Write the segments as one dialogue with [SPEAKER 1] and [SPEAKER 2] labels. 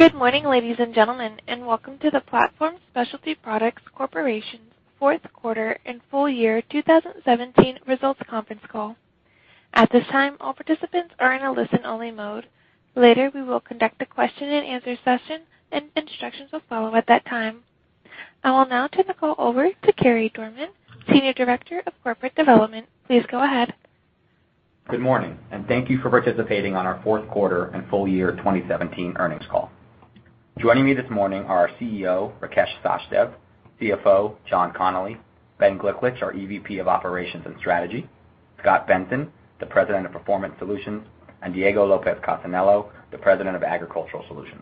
[SPEAKER 1] Good morning, ladies and gentlemen, and welcome to the Platform Specialty Products Corporation fourth quarter and full year 2017 results conference call. At this time, all participants are in a listen-only mode. Later, we will conduct a question and answer session, and instructions will follow at that time. I will now turn the call over to Carey Dorman, Senior Director of Corporate Development. Please go ahead.
[SPEAKER 2] Good morning, and thank you for participating in our fourth quarter and full year 2017 earnings call. Joining me this morning are our CEO, Rakesh Sachdev, CFO, John Connolly, Ben Gliklich, our Executive Vice President of Operations and Strategy, Scot Benson, the President of Performance Solutions, and Diego Lopez Casanello, the President of Agricultural Solutions.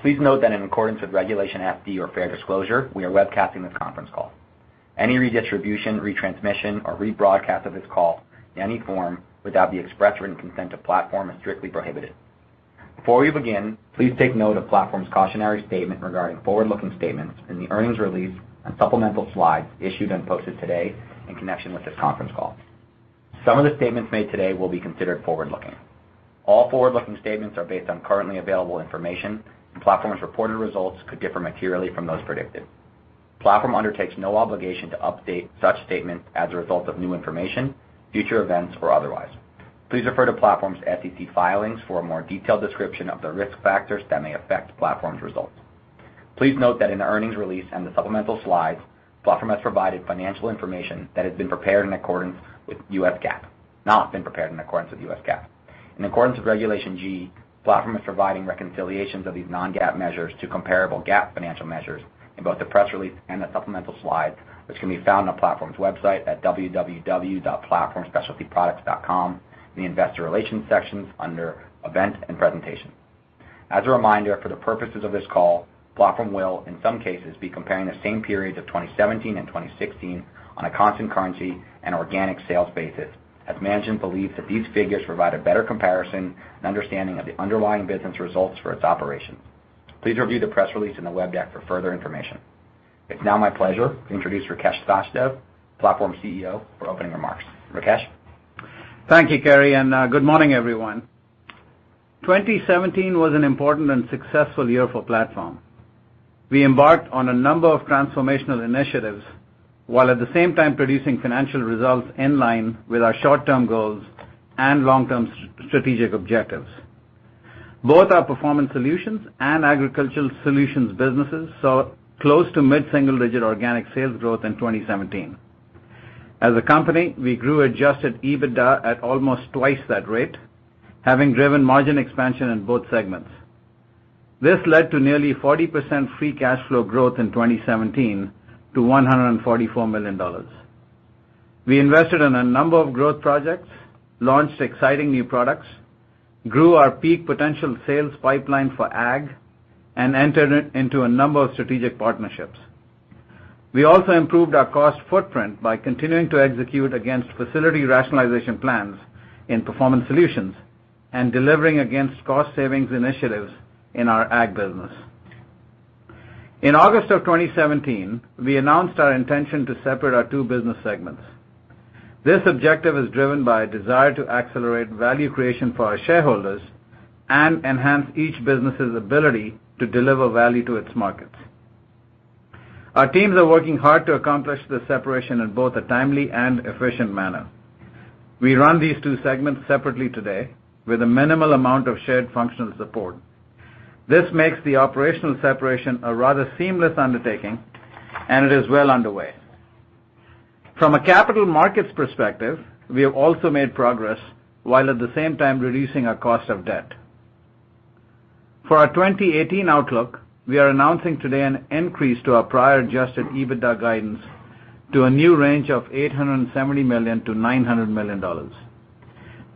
[SPEAKER 2] Please note that in accordance with Regulation FD, or fair disclosure, we are webcasting this conference call. Any redistribution, retransmission, or rebroadcast of this call in any form without the express written consent of Platform is strictly prohibited. Before we begin, please take note of Platform's cautionary statement regarding forward-looking statements in the earnings release and supplemental slides issued and posted today in connection with this conference call. All forward-looking statements are based on currently available information, and Platform's reported results could differ materially from those predicted. Platform undertakes no obligation to update such statements as a result of new information, future events, or otherwise. Please refer to Platform's SEC filings for a more detailed description of the risk factors that may affect Platform's results. Please note that in the earnings release and the supplemental slides, Platform has provided financial information that has not been prepared in accordance with US GAAP. In accordance with Regulation G, Platform is providing reconciliations of these non-GAAP measures to comparable GAAP financial measures in both the press release and the supplemental slides, which can be found on Platform's website at www.platformspecialtyproducts.com in the investor relations sections under events and presentations. As a reminder, for the purposes of this call, Platform will, in some cases, be comparing the same periods of 2017 and 2016 on a constant currency and organic sales basis, as management believes that these figures provide a better comparison and understanding of the underlying business results for its operations. Please review the press release and the web deck for further information. It's now my pleasure to introduce Rakesh Sachdev, Platform's CEO, for opening remarks. Rakesh?
[SPEAKER 3] Thank you, Carey, and good morning, everyone. 2017 was an important and successful year for Platform. We embarked on a number of transformational initiatives, while at the same time producing financial results in line with our short-term goals and long-term strategic objectives. Both our Performance Solutions and Agricultural Solutions businesses saw close to mid-single-digit organic sales growth in 2017. As a company, we grew adjusted EBITDA at almost twice that rate, having driven margin expansion in both segments. This led to nearly 40% free cash flow growth in 2017 to $144 million. We invested in a number of growth projects, launched exciting new products, grew our peak potential sales pipeline for Ag, and entered into a number of strategic partnerships. We also improved our cost footprint by continuing to execute against facility rationalization plans in Performance Solutions and delivering against cost savings initiatives in our Ag business. In August of 2017, we announced our intention to separate our two business segments. This objective is driven by a desire to accelerate value creation for our shareholders and enhance each business's ability to deliver value to its markets. Our teams are working hard to accomplish this separation in both a timely and efficient manner. We run these two segments separately today with a minimal amount of shared functional support. This makes the operational separation a rather seamless undertaking, and it is well underway. From a capital markets perspective, we have also made progress, while at the same time reducing our cost of debt. For our 2018 outlook, we are announcing today an increase to our prior adjusted EBITDA guidance to a new range of $870 million-$900 million.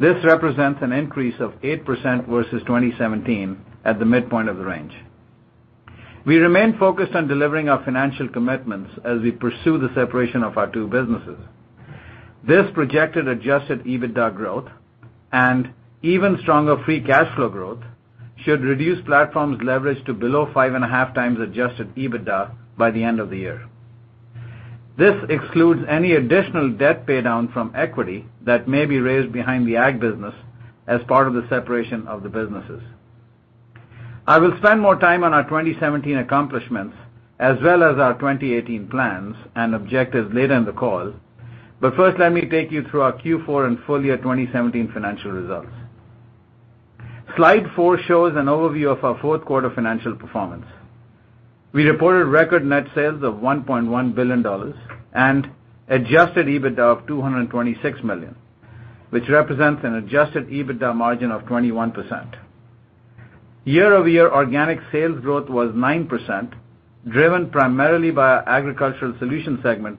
[SPEAKER 3] This represents an increase of 8% versus 2017 at the midpoint of the range. We remain focused on delivering our financial commitments as we pursue the separation of our two businesses. This projected adjusted EBITDA growth and even stronger free cash flow growth should reduce Platform's leverage to below 5.5 times adjusted EBITDA by the end of the year. This excludes any additional debt paydown from equity that may be raised behind the Ag business as part of the separation of the businesses. I will spend more time on our 2017 accomplishments as well as our 2018 plans and objectives later in the call. First, let me take you through our Q4 and full-year 2017 financial results. Slide four shows an overview of our fourth quarter financial performance. We reported record net sales of $1.1 billion and adjusted EBITDA of $226 million, which represents an adjusted EBITDA margin of 21%. Year-over-year organic sales growth was 9%, driven primarily by our Agricultural Solutions segment,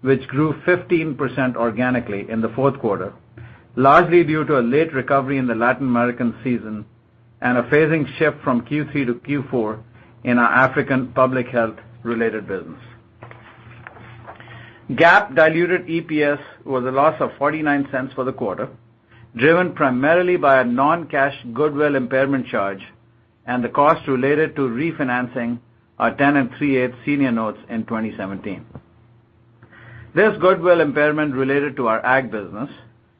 [SPEAKER 3] which grew 15% organically in the fourth quarter, largely due to a late recovery in the Latin American season and a phasing shift from Q3 to Q4 in our African public health related business. GAAP diluted EPS was a loss of $0.49 for the quarter, driven primarily by a non-cash goodwill impairment charge and the cost related to refinancing our 10.375 senior notes in 2017. This goodwill impairment related to our Ag business,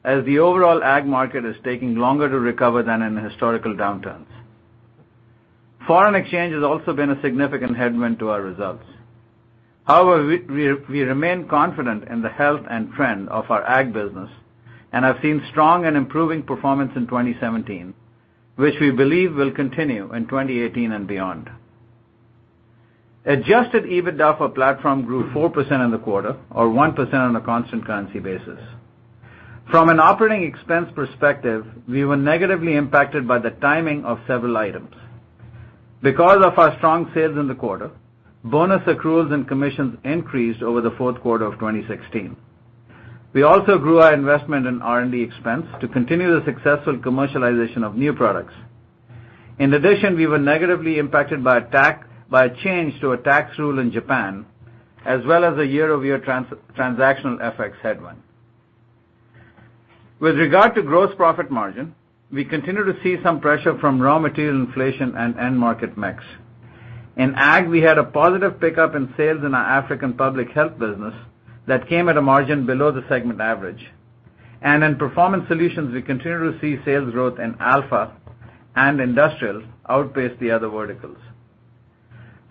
[SPEAKER 3] as the overall Ag market is taking longer to recover than in historical downturns. Foreign exchange has also been a significant headwind to our results. However, we remain confident in the health and trend of our Ag business and have seen strong and improving performance in 2017, which we believe will continue in 2018 and beyond. Adjusted EBITDA for Platform grew 4% in the quarter, or 1% on a constant currency basis. From an operating expense perspective, we were negatively impacted by the timing of several items. Because of our strong sales in the quarter, bonus accruals and commissions increased over the fourth quarter of 2016. We also grew our investment in R&D expense to continue the successful commercialization of new products. In addition, we were negatively impacted by a change to a tax rule in Japan, as well as a year-over-year transactional FX headwind. With regard to gross profit margin, we continue to see some pressure from raw material inflation and end market mix. In ag, we had a positive pickup in sales in our African public health business that came at a margin below the segment average. In Performance Solutions, we continue to see sales growth in Alpha and Industrial outpace the other verticals.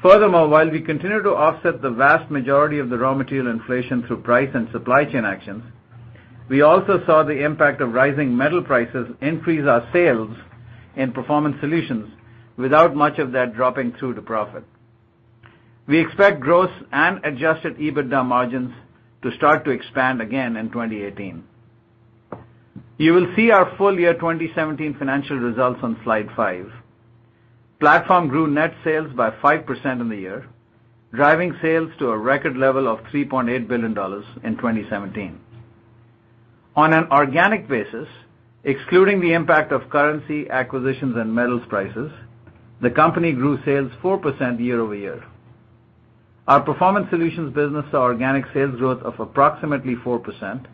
[SPEAKER 3] Furthermore, while we continue to offset the vast majority of the raw material inflation through price and supply chain actions, we also saw the impact of rising metal prices increase our sales in Performance Solutions without much of that dropping through to profit. We expect gross and Adjusted EBITDA margins to start to expand again in 2018. You will see our full-year 2017 financial results on slide five. Platform grew net sales by 5% in the year, driving sales to a record level of $3.8 billion in 2017. On an organic basis, excluding the impact of currency acquisitions and metals prices, the company grew sales 4% year-over-year. Our Performance Solutions business saw organic sales growth of approximately 4%,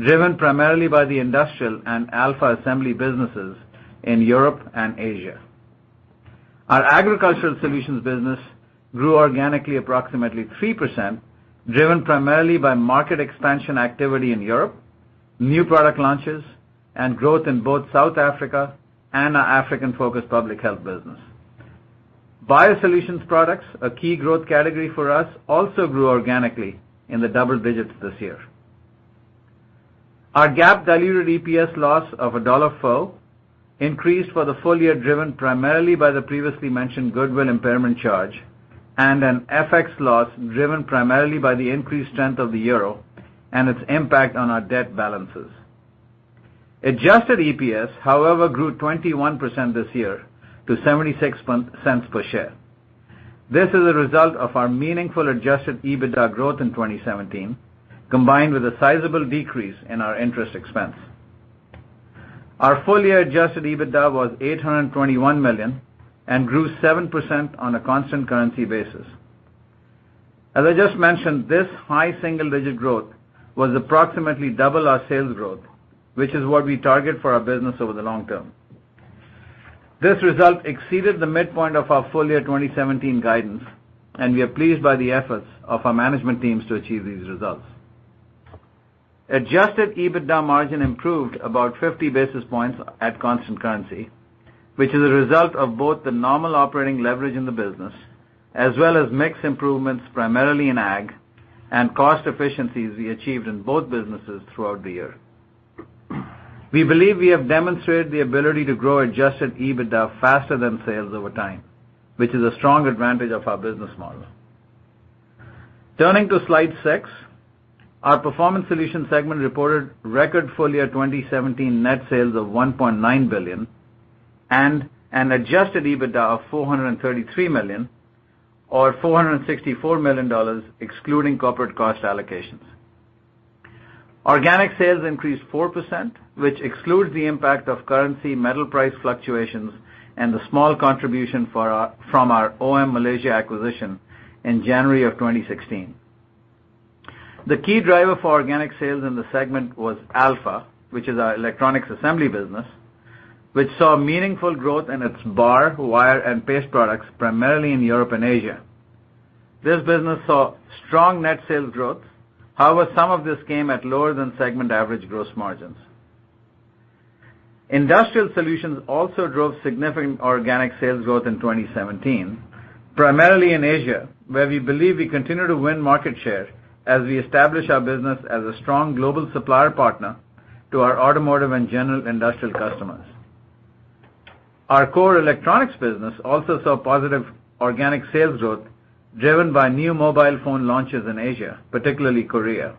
[SPEAKER 3] driven primarily by the Industrial and Alpha assembly businesses in Europe and Asia. Our Agricultural Solutions business grew organically approximately 3%, driven primarily by market expansion activity in Europe, new product launches, and growth in both South Africa and our African-focused public health business. biosolutions products, a key growth category for us, also grew organically in the double digits this year. Our GAAP diluted EPS loss of $1.04 increased for the full year, driven primarily by the previously mentioned goodwill impairment charge and an FX loss driven primarily by the increased strength of the euro and its impact on our debt balances. Adjusted EPS, however, grew 21% this year to $0.76 per share. This is a result of our meaningful Adjusted EBITDA growth in 2017, combined with a sizable decrease in our interest expense. Our full-year Adjusted EBITDA was $821 million and grew 7% on a constant currency basis. As I just mentioned, this high single-digit growth was approximately double our sales growth, which is what we target for our business over the long term. This result exceeded the midpoint of our full-year 2017 guidance, and we are pleased by the efforts of our management teams to achieve these results. Adjusted EBITDA margin improved about 50 basis points at constant currency, which is a result of both the normal operating leverage in the business, as well as mix improvements primarily in ag and cost efficiencies we achieved in both businesses throughout the year. We believe we have demonstrated the ability to grow Adjusted EBITDA faster than sales over time, which is a strong advantage of our business model. Turning to slide six. Our Performance Solutions segment reported record full-year 2017 net sales of $1.9 billion and an adjusted EBITDA of $433 million, or $464 million excluding corporate cost allocations. Organic sales increased 4%, which excludes the impact of currency metal price fluctuations and the small contribution from our OM Malaysia acquisition in January of 2016. The key driver for organic sales in the segment was Alpha, which is our electronics assembly business, which saw meaningful growth in its bar, wire, and paste products, primarily in Europe and Asia. This business saw strong net sales growth. However, some of this came at lower-than-segment average gross margins. Industrial solutions also drove significant organic sales growth in 2017, primarily in Asia, where we believe we continue to win market share as we establish our business as a strong global supplier partner to our automotive and general industrial customers. Our core electronics business also saw positive organic sales growth driven by new mobile phone launches in Asia, particularly Korea.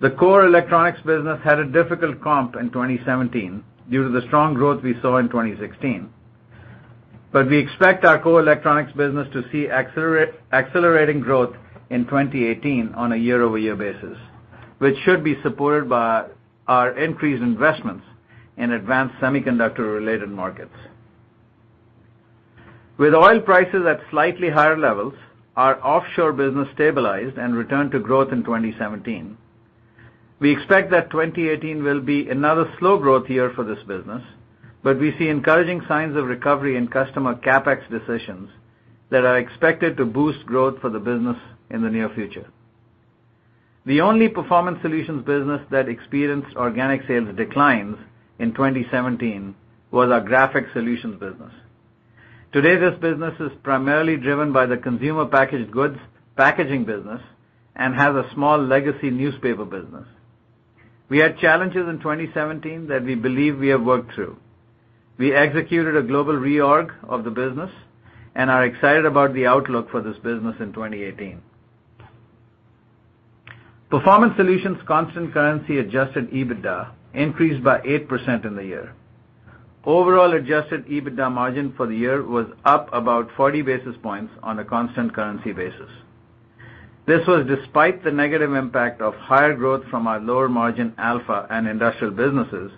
[SPEAKER 3] The core electronics business had a difficult comp in 2017 due to the strong growth we saw in 2016. We expect our core electronics business to see accelerating growth in 2018 on a year-over-year basis, which should be supported by our increased investments in advanced semiconductor-related markets. With oil prices at slightly higher levels, our offshore business stabilized and returned to growth in 2017. We expect that 2018 will be another slow growth year for this business, but we see encouraging signs of recovery in customer CapEx decisions that are expected to boost growth for the business in the near future. The only Performance Solutions business that experienced organic sales declines in 2017 was our Graphics Solutions business. Today, this business is primarily driven by the consumer packaged goods packaging business and has a small legacy newspaper business. We had challenges in 2017 that we believe we have worked through. We executed a global reorg of the business and are excited about the outlook for this business in 2018. Performance Solutions constant currency adjusted EBITDA increased by 8% in the year. Overall adjusted EBITDA margin for the year was up about 40 basis points on a constant currency basis. This was despite the negative impact of higher growth from our lower margin Alpha and Industrial businesses,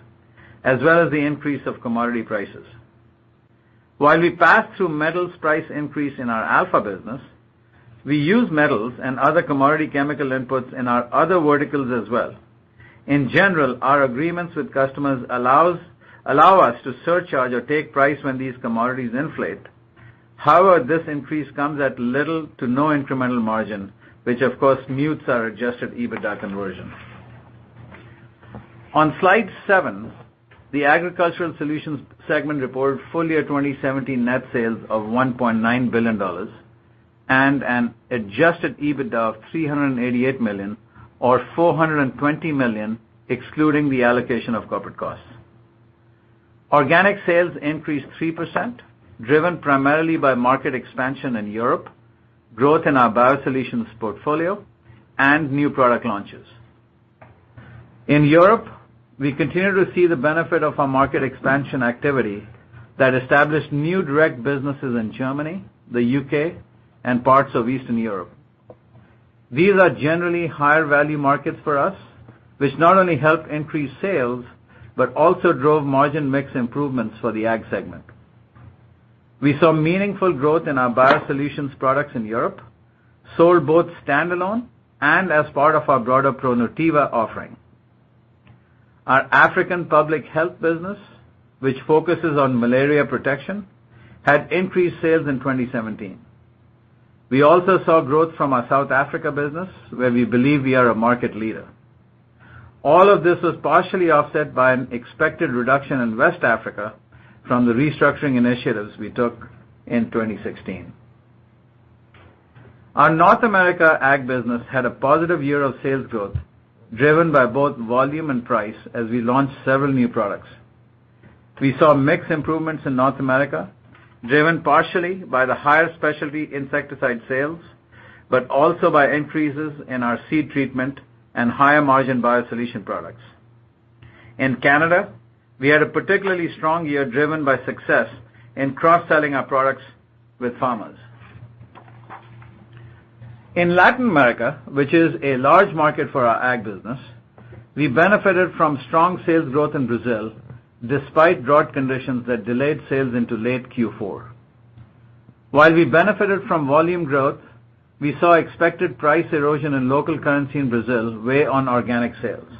[SPEAKER 3] as well as the increase of commodity prices. While we pass through metals price increase in our Alpha business, we use metals and other commodity chemical inputs in our other verticals as well. In general, our agreements with customers allow us to surcharge or take price when these commodities inflate. This increase comes at little to no incremental margin, which of course mutes our adjusted EBITDA conversion. On slide seven, the Agricultural Solutions segment reported full year 2017 net sales of $1.9 billion and an adjusted EBITDA of $388 million, or $420 million excluding the allocation of corporate costs. Organic sales increased 3%, driven primarily by market expansion in Europe, growth in our biosolutions portfolio, and new product launches. In Europe, we continue to see the benefit of our market expansion activity that established new direct businesses in Germany, the U.K., and parts of Eastern Europe. These are generally higher value markets for us, which not only help increase sales, but also drove margin mix improvements for the Ag segment. We saw meaningful growth in our biosolutions products in Europe, sold both standalone and as part of our broader ProNutiva offering. Our African public health business, which focuses on malaria protection, had increased sales in 2017. We also saw growth from our South Africa business, where we believe we are a market leader. All of this was partially offset by an expected reduction in West Africa from the restructuring initiatives we took in 2016. Our North America Ag business had a positive year of sales growth, driven by both volume and price as we launched several new products. We saw mix improvements in North America, driven partially by the higher specialty insecticide sales, but also by increases in our seed treatment and higher margin biosolutions products. In Canada, we had a particularly strong year driven by success in cross-selling our products with farmers. In Latin America, which is a large market for our Ag business, we benefited from strong sales growth in Brazil despite drought conditions that delayed sales into late Q4. While we benefited from volume growth, we saw expected price erosion in local currency in Brazil weigh on organic sales.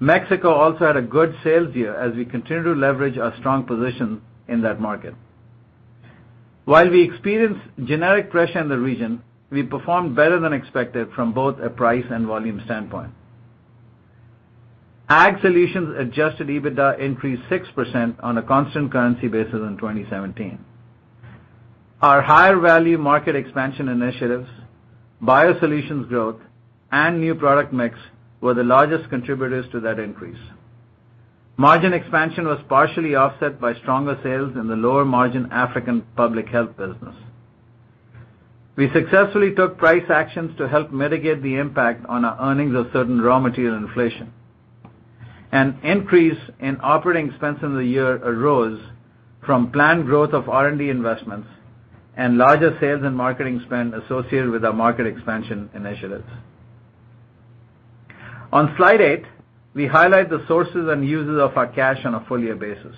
[SPEAKER 3] Mexico also had a good sales year as we continue to leverage our strong position in that market. While we experienced generic pressure in the region, we performed better than expected from both a price and volume standpoint. Ag Solutions adjusted EBITDA increased 6% on a constant currency basis in 2017. Our higher value market expansion initiatives, biosolutions growth, and new product mix were the largest contributors to that increase. Margin expansion was partially offset by stronger sales in the lower margin African public health business. We successfully took price actions to help mitigate the impact on our earnings of certain raw material inflation. An increase in operating expense in the year arose from planned growth of R&D investments and larger sales and marketing spend associated with our market expansion initiatives. On slide eight, we highlight the sources and uses of our cash on a full year basis.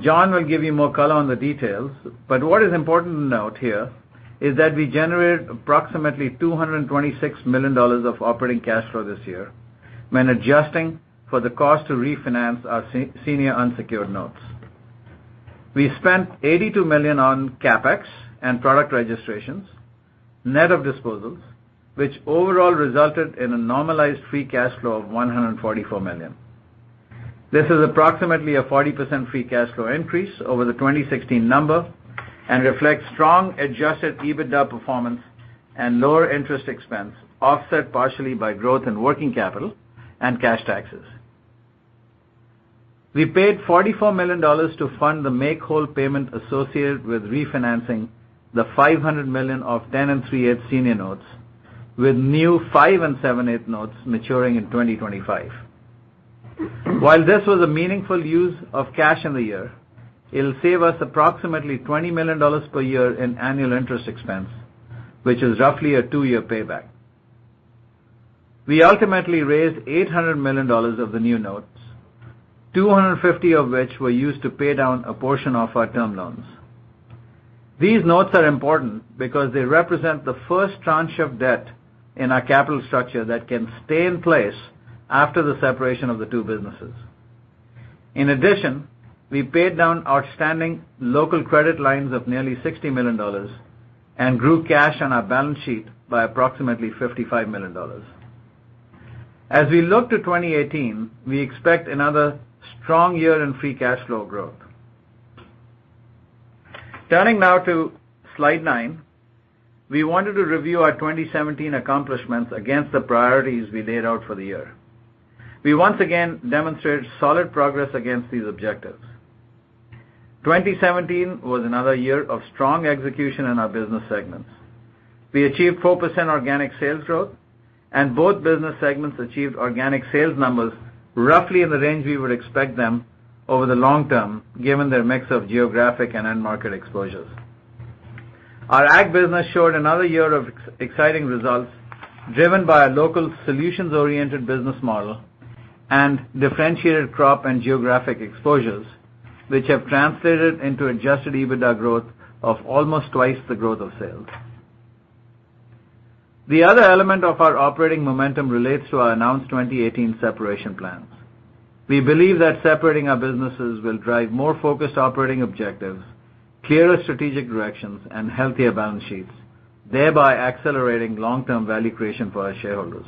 [SPEAKER 3] John will give you more color on the details, but what is important to note here is that we generated approximately $226 million of operating cash flow this year when adjusting for the cost to refinance our senior unsecured notes. We spent $82 million on CapEx and product registrations, net of disposals, which overall resulted in a normalized free cash flow of $144 million. This is approximately a 40% free cash flow increase over the 2016 number and reflects strong adjusted EBITDA performance and lower interest expense, offset partially by growth in working capital and cash taxes. We paid $44 million to fund the make-whole payment associated with refinancing the $500 million of 10 3/8 senior notes with new 5 7/8 notes maturing in 2025. While this was a meaningful use of cash in the year, it'll save us approximately $20 million per year in annual interest expense, which is roughly a two-year payback. We ultimately raised $800 million of the new notes, $250 of which were used to pay down a portion of our term loans. These notes are important because they represent the first tranche of debt in our capital structure that can stay in place after the separation of the two businesses. In addition, we paid down outstanding local credit lines of nearly $60 million and grew cash on our balance sheet by approximately $55 million. As we look to 2018, we expect another strong year in free cash flow growth. Turning now to slide nine, we wanted to review our 2017 accomplishments against the priorities we laid out for the year. We once again demonstrated solid progress against these objectives. 2017 was another year of strong execution in our business segments. We achieved 4% organic sales growth, and both business segments achieved organic sales numbers roughly in the range we would expect them over the long term, given their mix of geographic and end market exposures. Our Ag business showed another year of exciting results, driven by a local solutions-oriented business model and differentiated crop and geographic exposures, which have translated into adjusted EBITDA growth of almost twice the growth of sales. The other element of our operating momentum relates to our announced 2018 separation plans. We believe that separating our businesses will drive more focused operating objectives, clearer strategic directions, and healthier balance sheets, thereby accelerating long-term value creation for our shareholders.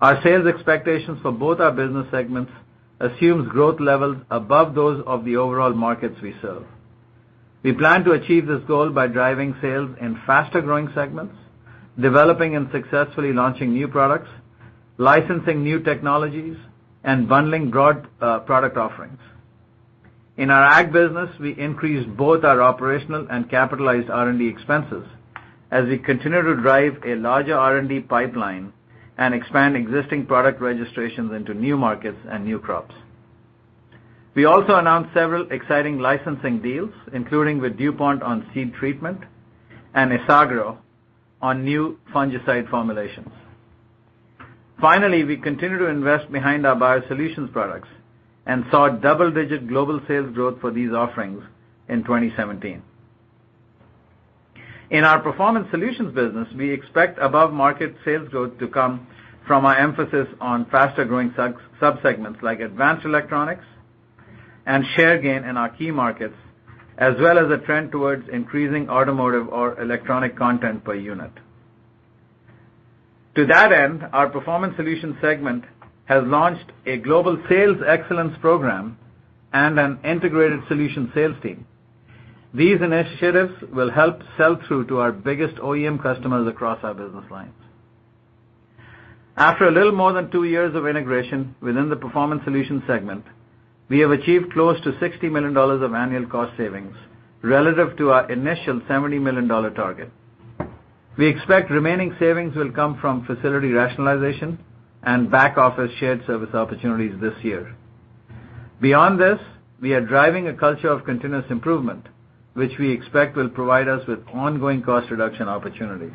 [SPEAKER 3] Our sales expectations for both our business segments assumes growth levels above those of the overall markets we serve. We plan to achieve this goal by driving sales in faster-growing segments, developing and successfully launching new products, licensing new technologies, and bundling broad product offerings. In our Ag business, we increased both our operational and capitalized R&D expenses as we continue to drive a larger R&D pipeline and expand existing product registrations into new markets and new crops. We also announced several exciting licensing deals, including with DuPont on seed treatment and Isagro on new fungicide formulations. Finally, we continue to invest behind our biosolutions products and saw double-digit global sales growth for these offerings in 2017. In our Performance Solutions business, we expect above-market sales growth to come from our emphasis on faster-growing sub-segments like advanced electronics and share gain in our key markets, as well as a trend towards increasing automotive or electronic content per unit. To that end, our Performance Solutions segment has launched a global sales excellence program and an integrated solution sales team. These initiatives will help sell through to our biggest OEM customers across our business lines. After a little more than two years of integration within the Performance Solutions segment, we have achieved close to $60 million of annual cost savings relative to our initial $70 million target. We expect remaining savings will come from facility rationalization and back-office shared service opportunities this year. Beyond this, we are driving a culture of continuous improvement, which we expect will provide us with ongoing cost reduction opportunities.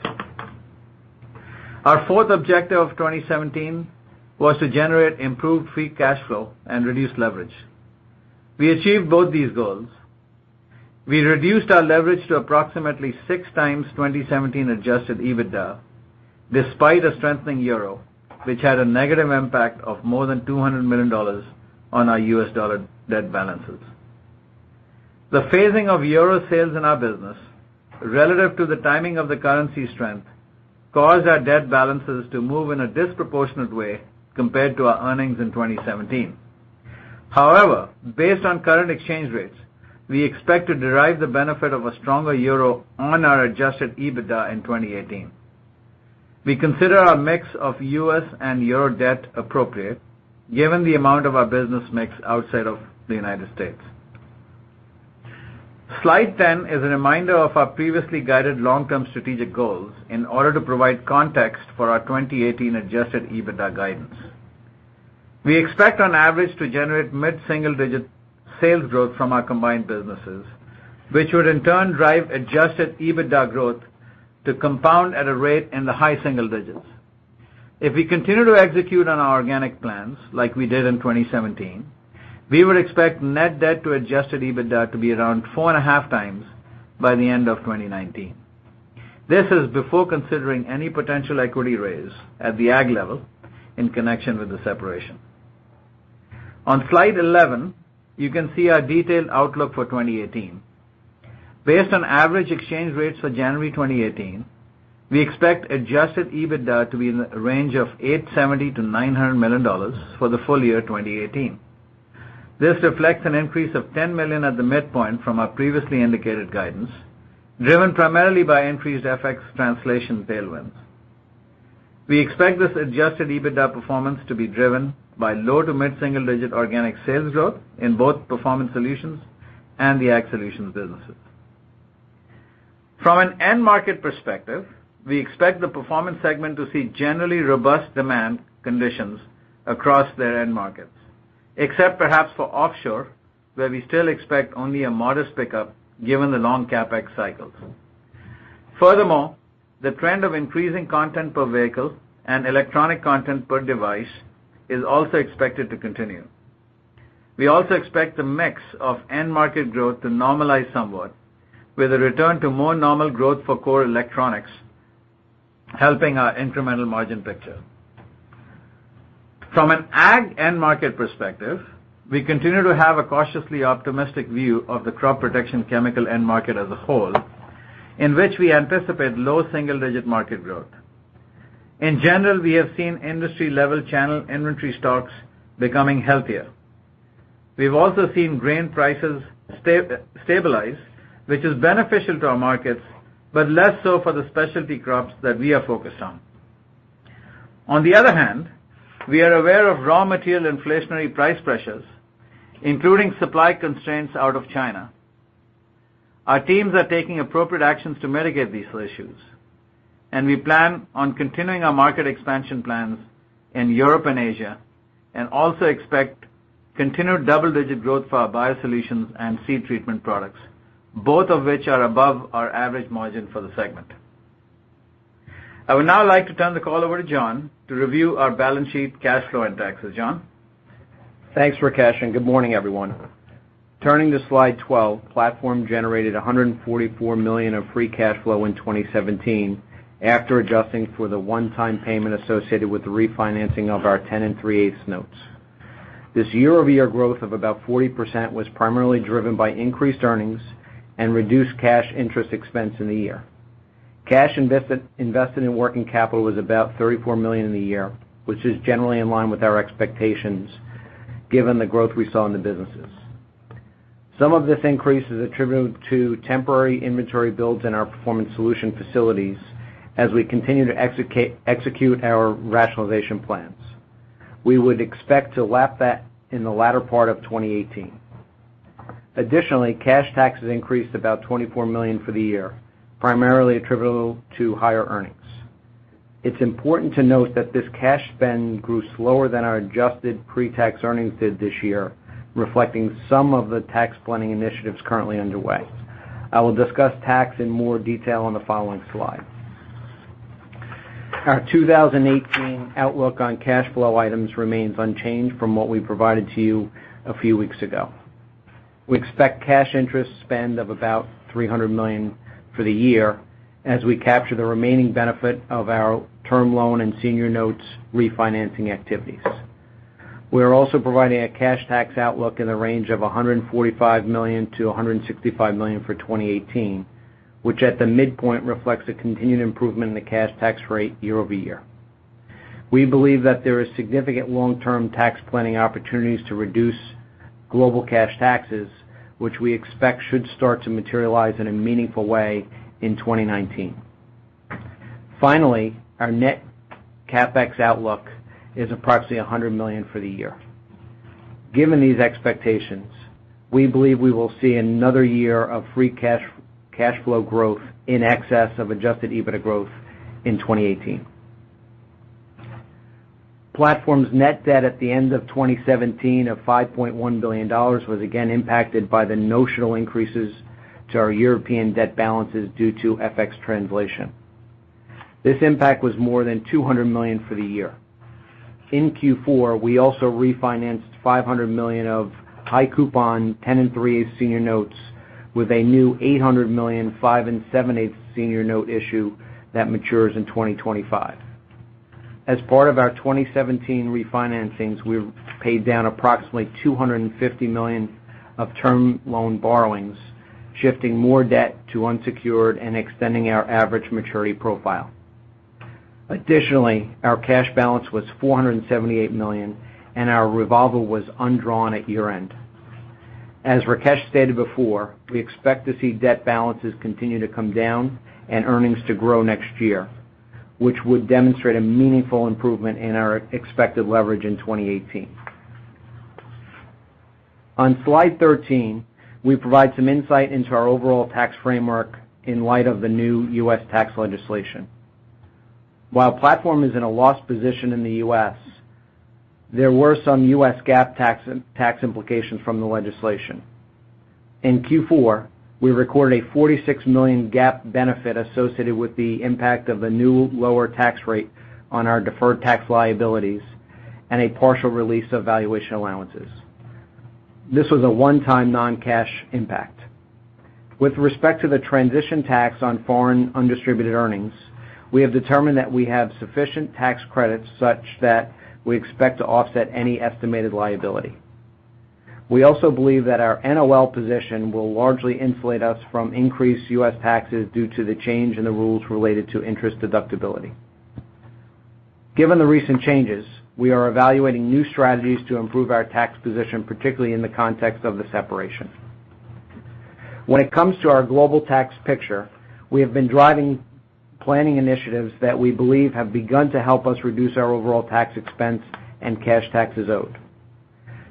[SPEAKER 3] Our fourth objective of 2017 was to generate improved free cash flow and reduce leverage. We achieved both these goals. We reduced our leverage to approximately six times 2017 adjusted EBITDA, despite a strengthening euro, which had a negative impact of more than $200 million on our US dollar debt balances. The phasing of EUR sales in our business, relative to the timing of the currency strength, caused our debt balances to move in a disproportionate way compared to our earnings in 2017. However, based on current exchange rates, we expect to derive the benefit of a stronger EUR on our adjusted EBITDA in 2018. We consider our mix of U.S. and EUR debt appropriate, given the amount of our business mix outside of the United States. Slide 10 is a reminder of our previously guided long-term strategic goals in order to provide context for our 2018 adjusted EBITDA guidance. We expect on average to generate mid-single-digit sales growth from our combined businesses, which would in turn drive adjusted EBITDA growth to compound at a rate in the high single digits. If we continue to execute on our organic plans like we did in 2017, we would expect net debt to adjusted EBITDA to be around four and a half times by the end of 2019. This is before considering any potential equity raise at the Ag level in connection with the separation. On slide 11, you can see our detailed outlook for 2018. Based on average exchange rates for January 2018, we expect adjusted EBITDA to be in the range of $870 million-$900 million for the full year 2018. This reflects an increase of $10 million at the midpoint from our previously indicated guidance, driven primarily by increased FX translation tailwinds. We expect this adjusted EBITDA performance to be driven by low to mid-single-digit organic sales growth in both Performance Solutions and the Ag Solutions businesses. From an end market perspective, we expect the Performance segment to see generally robust demand conditions across their end markets, except perhaps for offshore, where we still expect only a modest pickup given the long CapEx cycles. Furthermore, the trend of increasing content per vehicle and electronic content per device is also expected to continue. We also expect the mix of end market growth to normalize somewhat, with a return to more normal growth for core electronics, helping our incremental margin picture. From an Ag end market perspective, we continue to have a cautiously optimistic view of the crop protection chemical end market as a whole, in which we anticipate low single-digit market growth. In general, we have seen industry-level channel inventory stocks becoming healthier. We've also seen grain prices stabilize, which is beneficial to our markets, but less so for the specialty crops that we are focused on. On the other hand, we are aware of raw material inflationary price pressures, including supply constraints out of China. Our teams are taking appropriate actions to mitigate these issues, and we plan on continuing our market expansion plans in Europe and Asia, and also expect continued double-digit growth for our biosolutions and seed treatment products, both of which are above our average margin for the segment. I would now like to turn the call over to John to review our balance sheet cash flow and taxes. John?
[SPEAKER 4] Thanks, Rakesh, and good morning, everyone. Turning to slide 12, Platform generated $144 million of free cash flow in 2017, after adjusting for the one-time payment associated with the refinancing of our 10.375 notes. This year-over-year growth of about 40% was primarily driven by increased earnings and reduced cash interest expense in the year. Cash invested in working capital was about $34 million in the year, which is generally in line with our expectations given the growth we saw in the businesses. Some of this increase is attributed to temporary inventory builds in our Performance Solutions facilities as we continue to execute our rationalization plans. We would expect to lap that in the latter part of 2018. Additionally, cash taxes increased about $24 million for the year, primarily attributable to higher earnings. It's important to note that this cash spend grew slower than our adjusted pre-tax earnings did this year, reflecting some of the tax planning initiatives currently underway. I will discuss tax in more detail on the following slide. Our 2018 outlook on cash flow items remains unchanged from what we provided to you a few weeks ago. We expect cash interest spend of about $300 million for the year as we capture the remaining benefit of our term loan and senior notes refinancing activities. We are also providing a cash tax outlook in the range of $145 million-$165 million for 2018, which at the midpoint reflects a continued improvement in the cash tax rate year-over-year. We believe that there is significant long-term tax planning opportunities to reduce global cash taxes, which we expect should start to materialize in a meaningful way in 2019. Finally, our net CapEx outlook is approximately $100 million for the year. Given these expectations, we believe we will see another year of free cash flow growth in excess of adjusted EBITDA growth in 2018. Platform's net debt at the end of 2017 of $5.1 billion was again impacted by the notional increases to our European debt balances due to FX translation. This impact was more than $200 million for the year. In Q4, we also refinanced $500 million of high coupon 10.375 senior notes with a new $800 million, 5.625 senior note issue that matures in 2025. As part of our 2017 refinancings, we've paid down approximately $250 million of term loan borrowings, shifting more debt to unsecured and extending our average maturity profile. Additionally, our cash balance was $478 million, and our revolver was undrawn at year-end. As Rakesh stated before, we expect to see debt balances continue to come down and earnings to grow next year, which would demonstrate a meaningful improvement in our expected leverage in 2018. On slide 13, we provide some insight into our overall tax framework in light of the new U.S. tax legislation. While Platform is in a loss position in the U.S., there were some U.S. GAAP tax implications from the legislation. In Q4, we recorded a $46 million GAAP benefit associated with the impact of the new lower tax rate on our deferred tax liabilities and a partial release of valuation allowances. This was a one-time non-cash impact. With respect to the transition tax on foreign undistributed earnings, we have determined that we have sufficient tax credits such that we expect to offset any estimated liability. We also believe that our NOL position will largely insulate us from increased U.S. taxes due to the change in the rules related to interest deductibility. Given the recent changes, we are evaluating new strategies to improve our tax position, particularly in the context of the separation. When it comes to our global tax picture, we have been driving planning initiatives that we believe have begun to help us reduce our overall tax expense and cash taxes owed.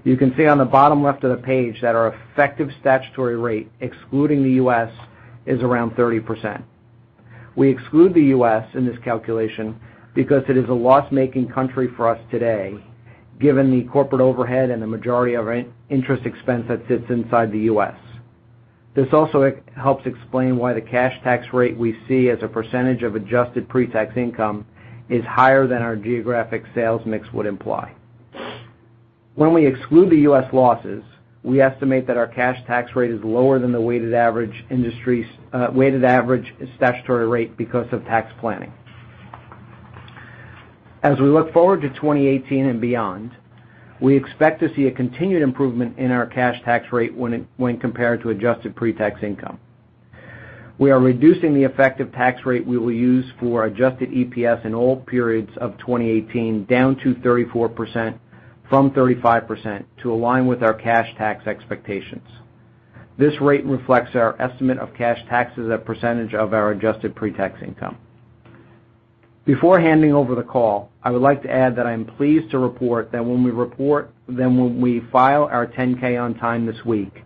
[SPEAKER 4] You can see on the bottom left of the page that our effective statutory rate, excluding the U.S., is around 30%. We exclude the U.S. in this calculation because it is a loss-making country for us today Given the corporate overhead and the majority of interest expense that sits inside the U.S. This also helps explain why the cash tax rate we see as a percentage of adjusted pre-tax income is higher than our geographic sales mix would imply. When we exclude the U.S. losses, we estimate that our cash tax rate is lower than the weighted average statutory rate because of tax planning. As we look forward to 2018 and beyond, we expect to see a continued improvement in our cash tax rate when compared to adjusted pre-tax income. We are reducing the effective tax rate we will use for our adjusted EPS in all periods of 2018, down to 34% from 35%, to align with our cash tax expectations. This rate reflects our estimate of cash taxes as a percentage of our adjusted pre-tax income. Before handing over the call, I would like to add that I am pleased to report that when we file our 10-K on time this week,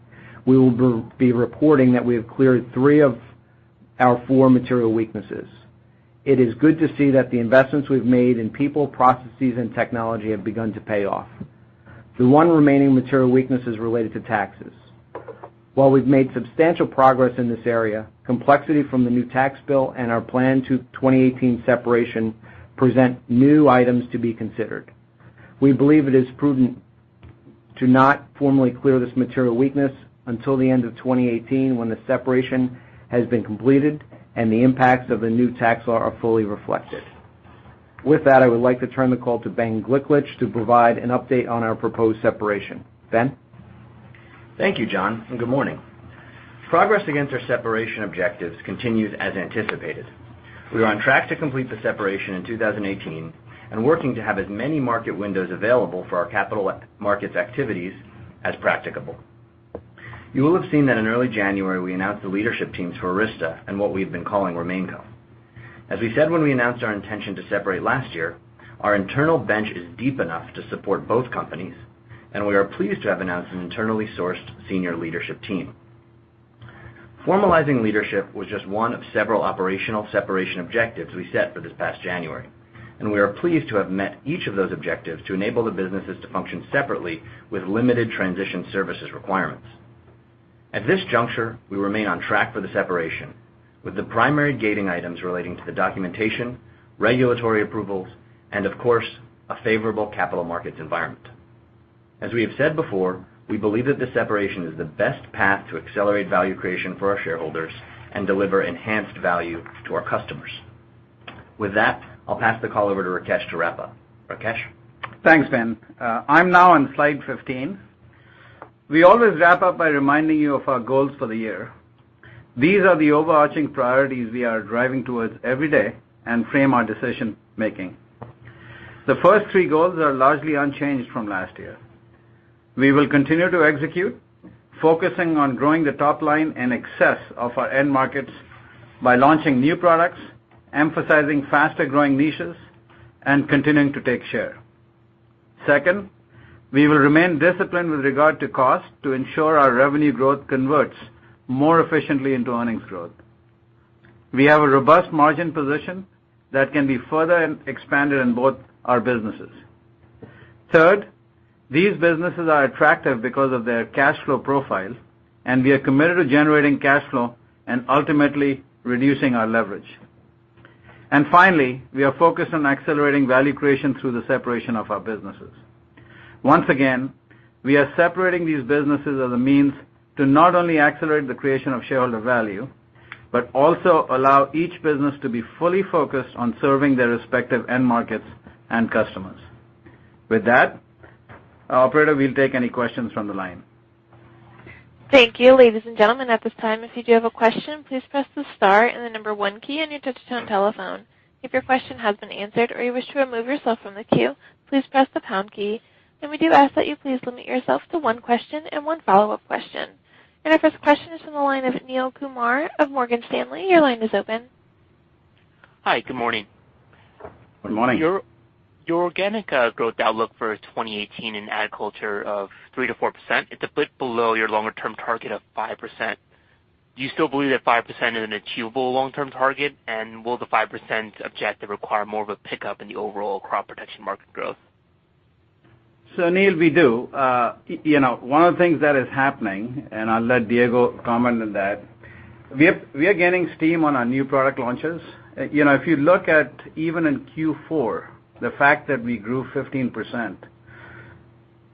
[SPEAKER 4] we will be reporting that we have cleared three of our four material weaknesses. It is good to see that the investments we've made in people, processes, and technology have begun to pay off. The one remaining material weakness is related to taxes. While we've made substantial progress in this area, complexity from the new tax bill and our plan to 2018 separation present new items to be considered. We believe it is prudent to not formally clear this material weakness until the end of 2018, when the separation has been completed and the impacts of the new tax law are fully reflected. With that, I would like to turn the call to Ben Gliklich to provide an update on our proposed separation. Ben?
[SPEAKER 5] Thank you, John, and good morning. Progress against our separation objectives continues as anticipated. We are on track to complete the separation in 2018 and working to have as many market windows available for our capital markets activities as practicable. You will have seen that in early January, we announced the leadership teams for Arysta and what we've been calling RemainCo. As we said when we announced our intention to separate last year, our internal bench is deep enough to support both companies, and we are pleased to have announced an internally sourced senior leadership team. Formalizing leadership was just one of several operational separation objectives we set for this past January, and we are pleased to have met each of those objectives to enable the businesses to function separately with limited transition services requirements. At this juncture, we remain on track for the separation with the primary gating items relating to the documentation, regulatory approvals, and of course, a favorable capital markets environment. As we have said before, we believe that this separation is the best path to accelerate value creation for our shareholders and deliver enhanced value to our customers. With that, I'll pass the call over to Rakesh to wrap up. Rakesh?
[SPEAKER 3] Thanks, Ben. I'm now on slide 15. We always wrap up by reminding you of our goals for the year. These are the overarching priorities we are driving towards every day and frame our decision-making. The first three goals are largely unchanged from last year. We will continue to execute, focusing on growing the top line in excess of our end markets by launching new products, emphasizing faster-growing niches, and continuing to take share. Second, we will remain disciplined with regard to cost to ensure our revenue growth converts more efficiently into earnings growth. We have a robust margin position that can be further expanded in both our businesses. Third, these businesses are attractive because of their cash flow profile, and we are committed to generating cash flow and ultimately reducing our leverage. Finally, we are focused on accelerating value creation through the separation of our businesses. Once again, we are separating these businesses as a means to not only accelerate the creation of shareholder value, but also allow each business to be fully focused on serving their respective end markets and customers. With that, operator, we'll take any questions from the line.
[SPEAKER 1] Thank you. Ladies and gentlemen, at this time, if you do have a question, please press the star and the number 1 key on your touch-tone telephone. If your question has been answered or you wish to remove yourself from the queue, please press the pound key. We do ask that you please limit yourself to one question and one follow-up question. Our first question is from the line of Neel Kumar of Morgan Stanley. Your line is open.
[SPEAKER 6] Hi, good morning.
[SPEAKER 3] Good morning.
[SPEAKER 6] Your organic growth outlook for 2018 in agriculture of 3%-4% it's a bit below your longer-term target of 5%. Will the 5% objective require more of a pickup in the overall crop protection market growth?
[SPEAKER 3] Neel, we do. One of the things that is happening, and I'll let Diego comment on that, we are gaining steam on our new product launches. If you look at, even in Q4, the fact that we grew 15%,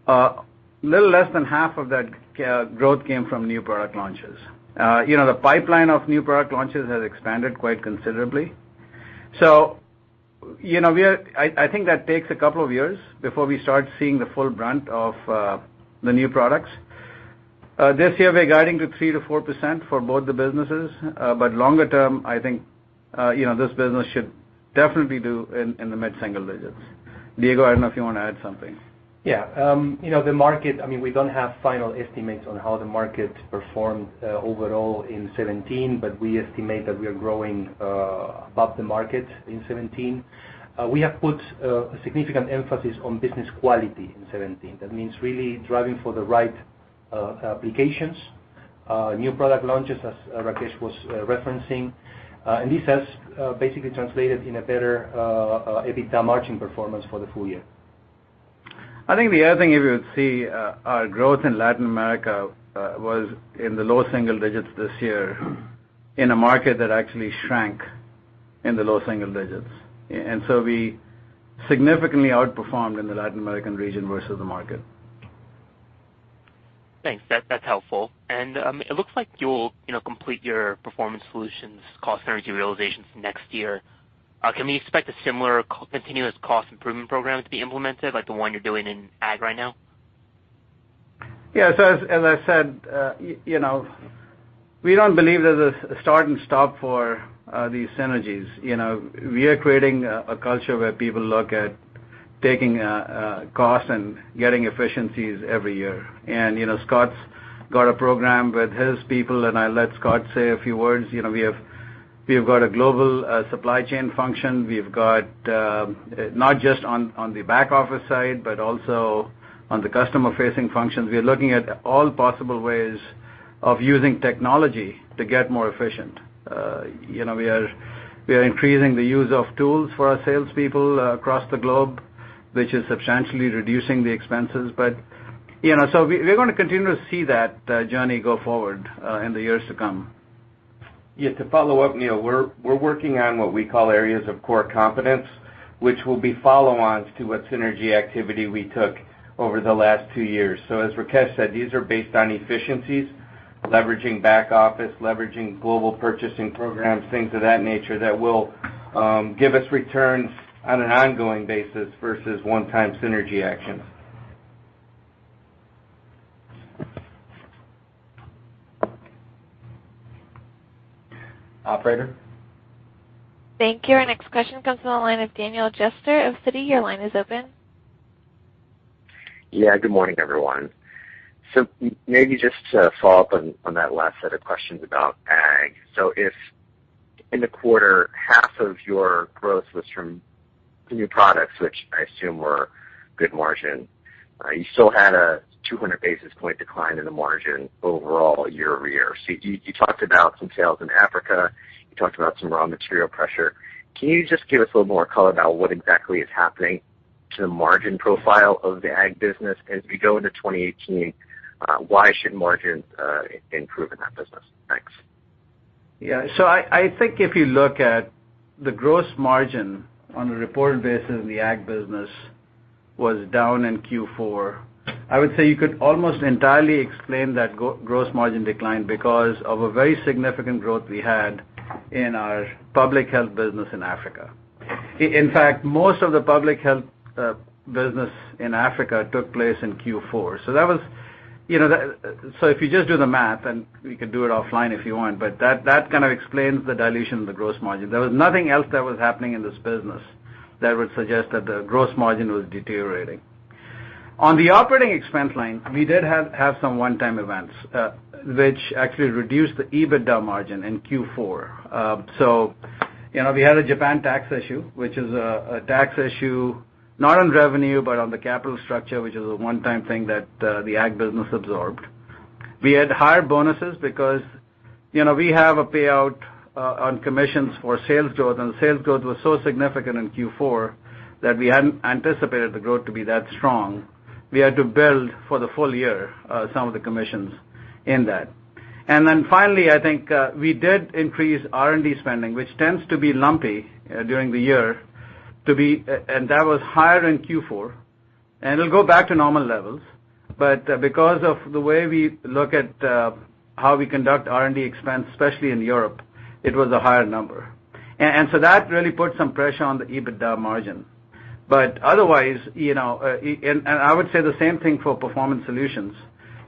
[SPEAKER 3] a little less than half of that growth came from new product launches. The pipeline of new product launches has expanded quite considerably. I think that takes a couple of years before we start seeing the full brunt of the new products. This year, we're guiding to 3%-4% for both the businesses. Longer term, I think this business should definitely do in the mid-single digits. Diego, I don't know if you want to add something.
[SPEAKER 7] Yeah. We don't have final estimates on how the market performed overall in 2017, but we estimate that we are growing above the market in 2017. We have put a significant emphasis on business quality in 2017. That means really driving for the right applications. New product launches as Rakesh was referencing. This has basically translated in a better EBITDA margin performance for the full year.
[SPEAKER 3] I think the other thing, if you would see our growth in Latin America was in the low single digits this year in a market that actually shrank in the low single digits. We significantly outperformed in the Latin American region versus the market.
[SPEAKER 6] Thanks. That's helpful. It looks like you'll complete your Performance Solutions cost synergy realizations next year. Can we expect a similar continuous cost improvement program to be implemented, like the one you're doing in Ag right now?
[SPEAKER 3] Yeah. As I said, we don't believe there's a start and stop for these synergies. We are creating a culture where people look at taking cost and getting efficiencies every year. Scot's got a program with his people, and I'll let Scot say a few words. We have got a global supply chain function. We've got not just on the back office side, but also on the customer-facing functions. We are looking at all possible ways of using technology to get more efficient. We are increasing the use of tools for our salespeople across the globe, which is substantially reducing the expenses. We're going to continue to see that journey go forward in the years to come.
[SPEAKER 8] Yeah. To follow up, Neel, we're working on what we call areas of core competence, which will be follow-ons to what synergy activity we took over the last 2 years. As Rakesh said, these are based on efficiencies, leveraging back office, leveraging global purchasing programs, things of that nature that will give us returns on an ongoing basis versus one-time synergy actions. Operator?
[SPEAKER 1] Thank you. Our next question comes from the line of Daniel Jester of Citi. Your line is open.
[SPEAKER 9] Yeah, good morning, everyone. Maybe just to follow up on that last set of questions about Ag. If in the quarter, half of your growth was from the new products, which I assume were good margin, you still had a 200 basis point decline in the margin overall year-over-year. You talked about some sales in Africa. You talked about some raw material pressure. Can you just give us a little more color about what exactly is happening to the margin profile of the Ag business as we go into 2018? Why should margins improve in that business? Thanks.
[SPEAKER 3] Yeah. I think if you look at the gross margin on a reported basis in the Ag business was down in Q4. I would say you could almost entirely explain that gross margin decline because of a very significant growth we had in our public health business in Africa. In fact, most of the public health business in Africa took place in Q4. If you just do the math, and we can do it offline if you want, but that kind of explains the dilution of the gross margin. There was nothing else that was happening in this business that would suggest that the gross margin was deteriorating. On the operating expense line, we did have some one-time events, which actually reduced the EBITDA margin in Q4. We had a Japan tax issue, which is a tax issue not on revenue, but on the capital structure, which is a one-time thing that the ag business absorbed. We had higher bonuses because we have a payout on commissions for sales growth, and the sales growth was so significant in Q4 that we hadn't anticipated the growth to be that strong. We had to build for the full year some of the commissions in that. We did increase R&D spending, which tends to be lumpy during the year, and that was higher in Q4, and it'll go back to normal levels. Because of the way we look at how we conduct R&D expense, especially in Europe, it was a higher number. That really put some pressure on the EBITDA margin. I would say the same thing for Performance Solutions.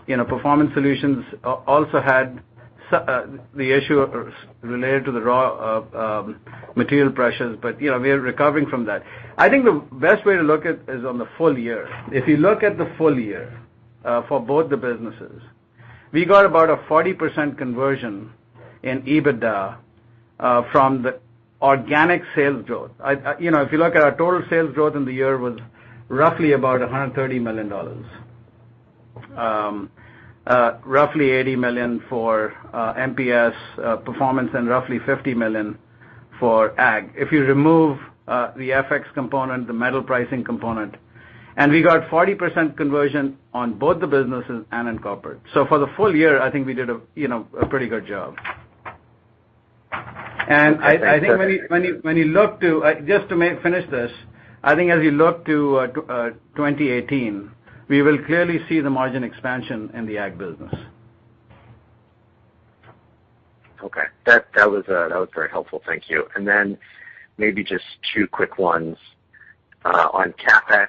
[SPEAKER 3] Performance Solutions also had the issue related to the raw material pressures, we are recovering from that. I think the best way to look at is on the full year. If you look at the full year for both the businesses, we got about a 40% conversion in EBITDA, from the organic sales growth. If you look at our total sales growth in the year was roughly about $130 million. Roughly $80 million for MPS Performance and roughly $50 million for ag. If you remove the FX component, the metal pricing component, we got 40% conversion on both the businesses and in corporate. For the full year, I think we did a pretty good job. We look to 2018, we will clearly see the margin expansion in the ag business.
[SPEAKER 9] Okay. That was very helpful. Thank you. Maybe just two quick ones. On CapEx,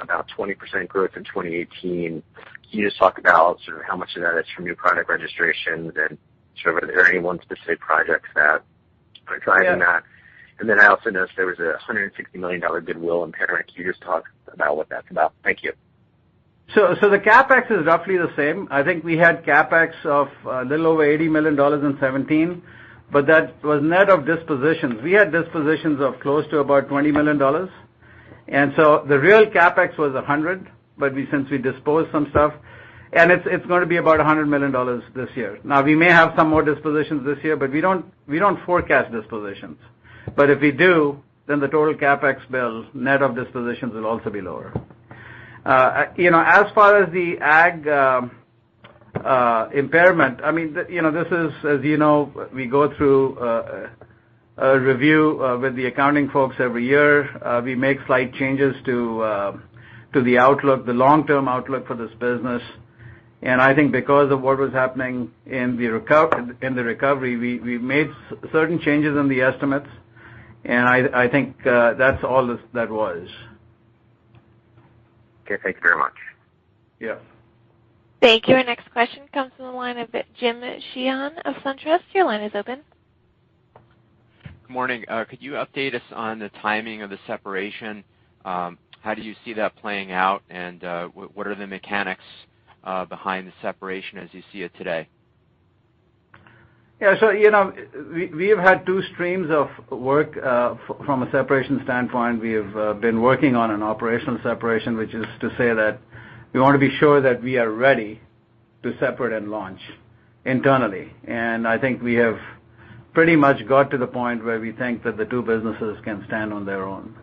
[SPEAKER 9] about 20% growth in 2018. Can you just talk about how much of that is from new product registrations? And sort of, are there any one specific projects that are driving that?
[SPEAKER 3] Yeah.
[SPEAKER 9] I also noticed there was a $160 million goodwill impairment. Can you just talk about what that's about? Thank you.
[SPEAKER 3] The CapEx is roughly the same. I think we had CapEx of a little over $80 million in 2017, but that was net of dispositions. We had dispositions of close to about $20 million. The real CapEx was $100, but since we disposed some stuff, it's going to be about $100 million this year. We may have some more dispositions this year, but we don't forecast dispositions. If we do, then the total CapEx bill net of dispositions will also be lower. As far as the ag impairment, as you know, we go through a review with the accounting folks every year. We make slight changes to the long-term outlook for this business. I think because of what was happening in the recovery, we made certain changes in the estimates, and I think that's all that was.
[SPEAKER 9] Thank you very much.
[SPEAKER 3] Yes.
[SPEAKER 1] Thank you. Our next question comes from the line of Jim Sheehan of SunTrust. Your line is open.
[SPEAKER 10] Good morning. Could you update us on the timing of the separation? What are the mechanics behind the separation as you see it today?
[SPEAKER 3] Yeah. We have had two streams of work from a separation standpoint. We have been working on an operational separation, which is to say that we want to be sure that we are ready to separate and launch internally. I think we have pretty much got to the point where we think that the two businesses can stand on their own.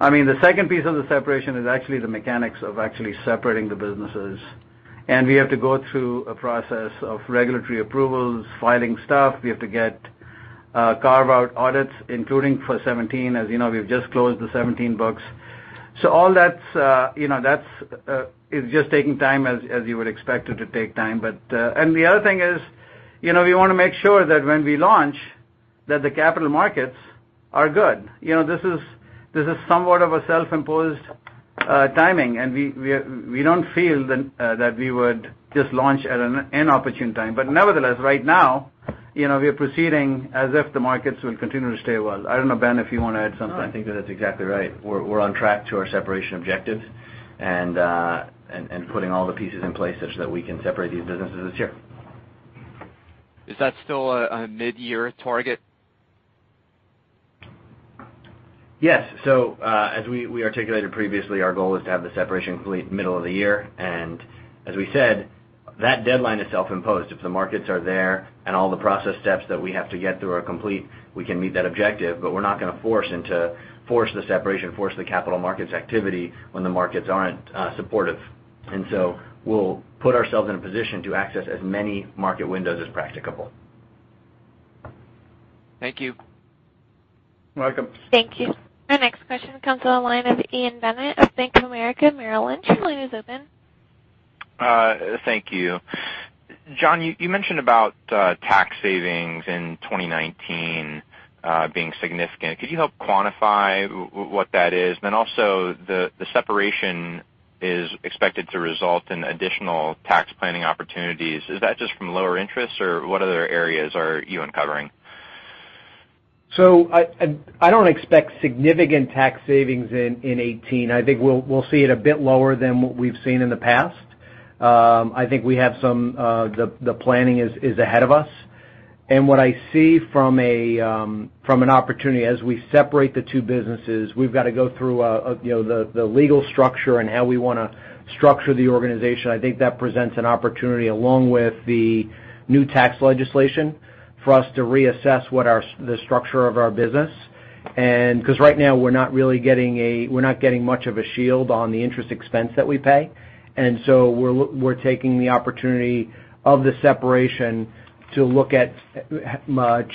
[SPEAKER 3] The second piece of the separation is actually the mechanics of actually separating the businesses. We have to go through a process of regulatory approvals, filing stuff. We have to get carve-out audits, including for 2017, as you know, we've just closed the 2017 books. All that is just taking time, as you would expect it to take time. The other thing is, we want to make sure that when we launch, that the capital markets are good. This is somewhat of a self-imposed timing. We don't feel that we would just launch at an inopportune time. Nevertheless, right now, we are proceeding as if the markets will continue to stay well. I don't know, Ben, if you want to add something.
[SPEAKER 5] No, I think that's exactly right. We're on track to our separation objectives and putting all the pieces in place such that we can separate these businesses this year.
[SPEAKER 10] Is that still a mid-year target?
[SPEAKER 5] Yes. As we articulated previously, our goal is to have the separation complete middle of the year. As we said, that deadline is self-imposed. If the markets are there and all the process steps that we have to get through are complete, we can meet that objective, but we're not going to force the separation, force the capital markets activity when the markets aren't supportive. We'll put ourselves in a position to access as many market windows as practicable.
[SPEAKER 10] Thank you.
[SPEAKER 3] You're welcome.
[SPEAKER 1] Thank you. Our next question comes on the line of Ian Bennett of Bank of America Merrill Lynch. Your line is open.
[SPEAKER 11] Thank you. John, you mentioned about tax savings in 2019 being significant. Could you help quantify what that is? Then also, the separation is expected to result in additional tax planning opportunities. Is that just from lower interest, or what other areas are you uncovering?
[SPEAKER 5] I don't expect significant tax savings in 2018. I think we'll see it a bit lower than what we've seen in the past. I think the planning is ahead of us. What I see from an opportunity as we separate the two businesses, we've got to go through the legal structure and how we want to structure the organization. I think that presents an opportunity, along with the new tax legislation, for us to reassess the structure of our business. Right now we're not getting much of a shield on the interest expense that we pay. We're taking the opportunity of the separation to look at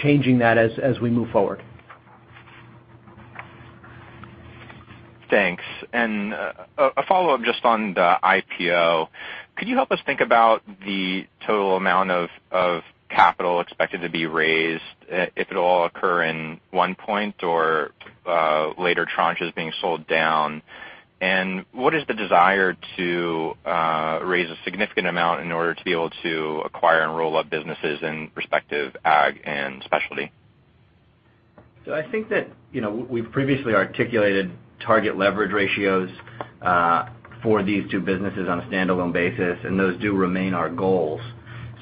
[SPEAKER 5] changing that as we move forward.
[SPEAKER 11] Thanks. A follow-up just on the IPO. Could you help us think about the total amount of capital expected to be raised, if it'll all occur in one point or later tranches being sold down? What is the desire to raise a significant amount in order to be able to acquire and roll up businesses in respective ag and specialty?
[SPEAKER 5] I think that we've previously articulated target leverage ratios for these two businesses on a standalone basis, and those do remain our goals.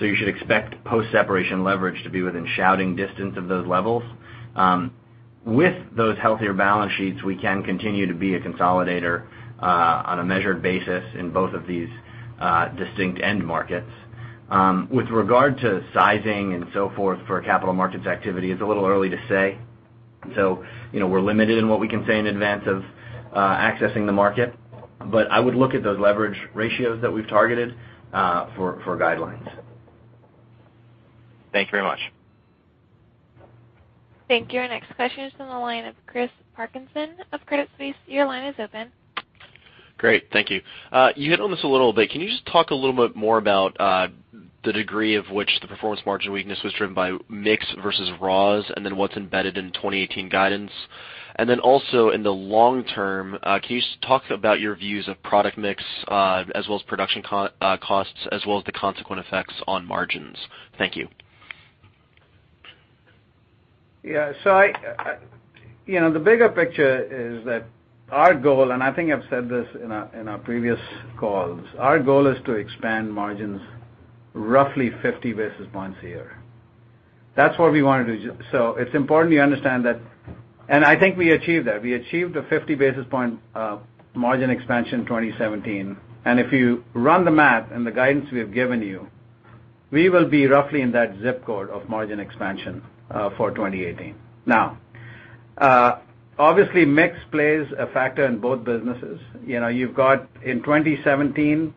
[SPEAKER 5] You should expect post-separation leverage to be within shouting distance of those levels. With those healthier balance sheets, we can continue to be a consolidator on a measured basis in both of these distinct end markets. With regard to sizing and so forth for capital markets activity, it's a little early to say. We're limited in what we can say in advance of accessing the market. I would look at those leverage ratios that we've targeted for guidelines.
[SPEAKER 11] Thank you very much.
[SPEAKER 1] Thank you. Our next question is from the line of Chris Parkinson of Credit Suisse. Your line is open.
[SPEAKER 12] Great. Thank you. You hit on this a little bit. Can you just talk a little bit more about the degree of which the performance margin weakness was driven by mix versus raws, what's embedded in 2018 guidance? Also in the long term, can you just talk about your views of product mix as well as production costs as well as the consequent effects on margins? Thank you.
[SPEAKER 3] The bigger picture is that our goal, and I think I've said this in our previous calls, our goal is to expand margins roughly 50 basis points a year. That's what we wanted to do. It's important you understand that, and I think we achieved that. We achieved a 50 basis point margin expansion in 2017. If you run the math and the guidance we have given you, we will be roughly in that zip code of margin expansion for 2018. Obviously, mix plays a factor in both businesses. You've got in 2017,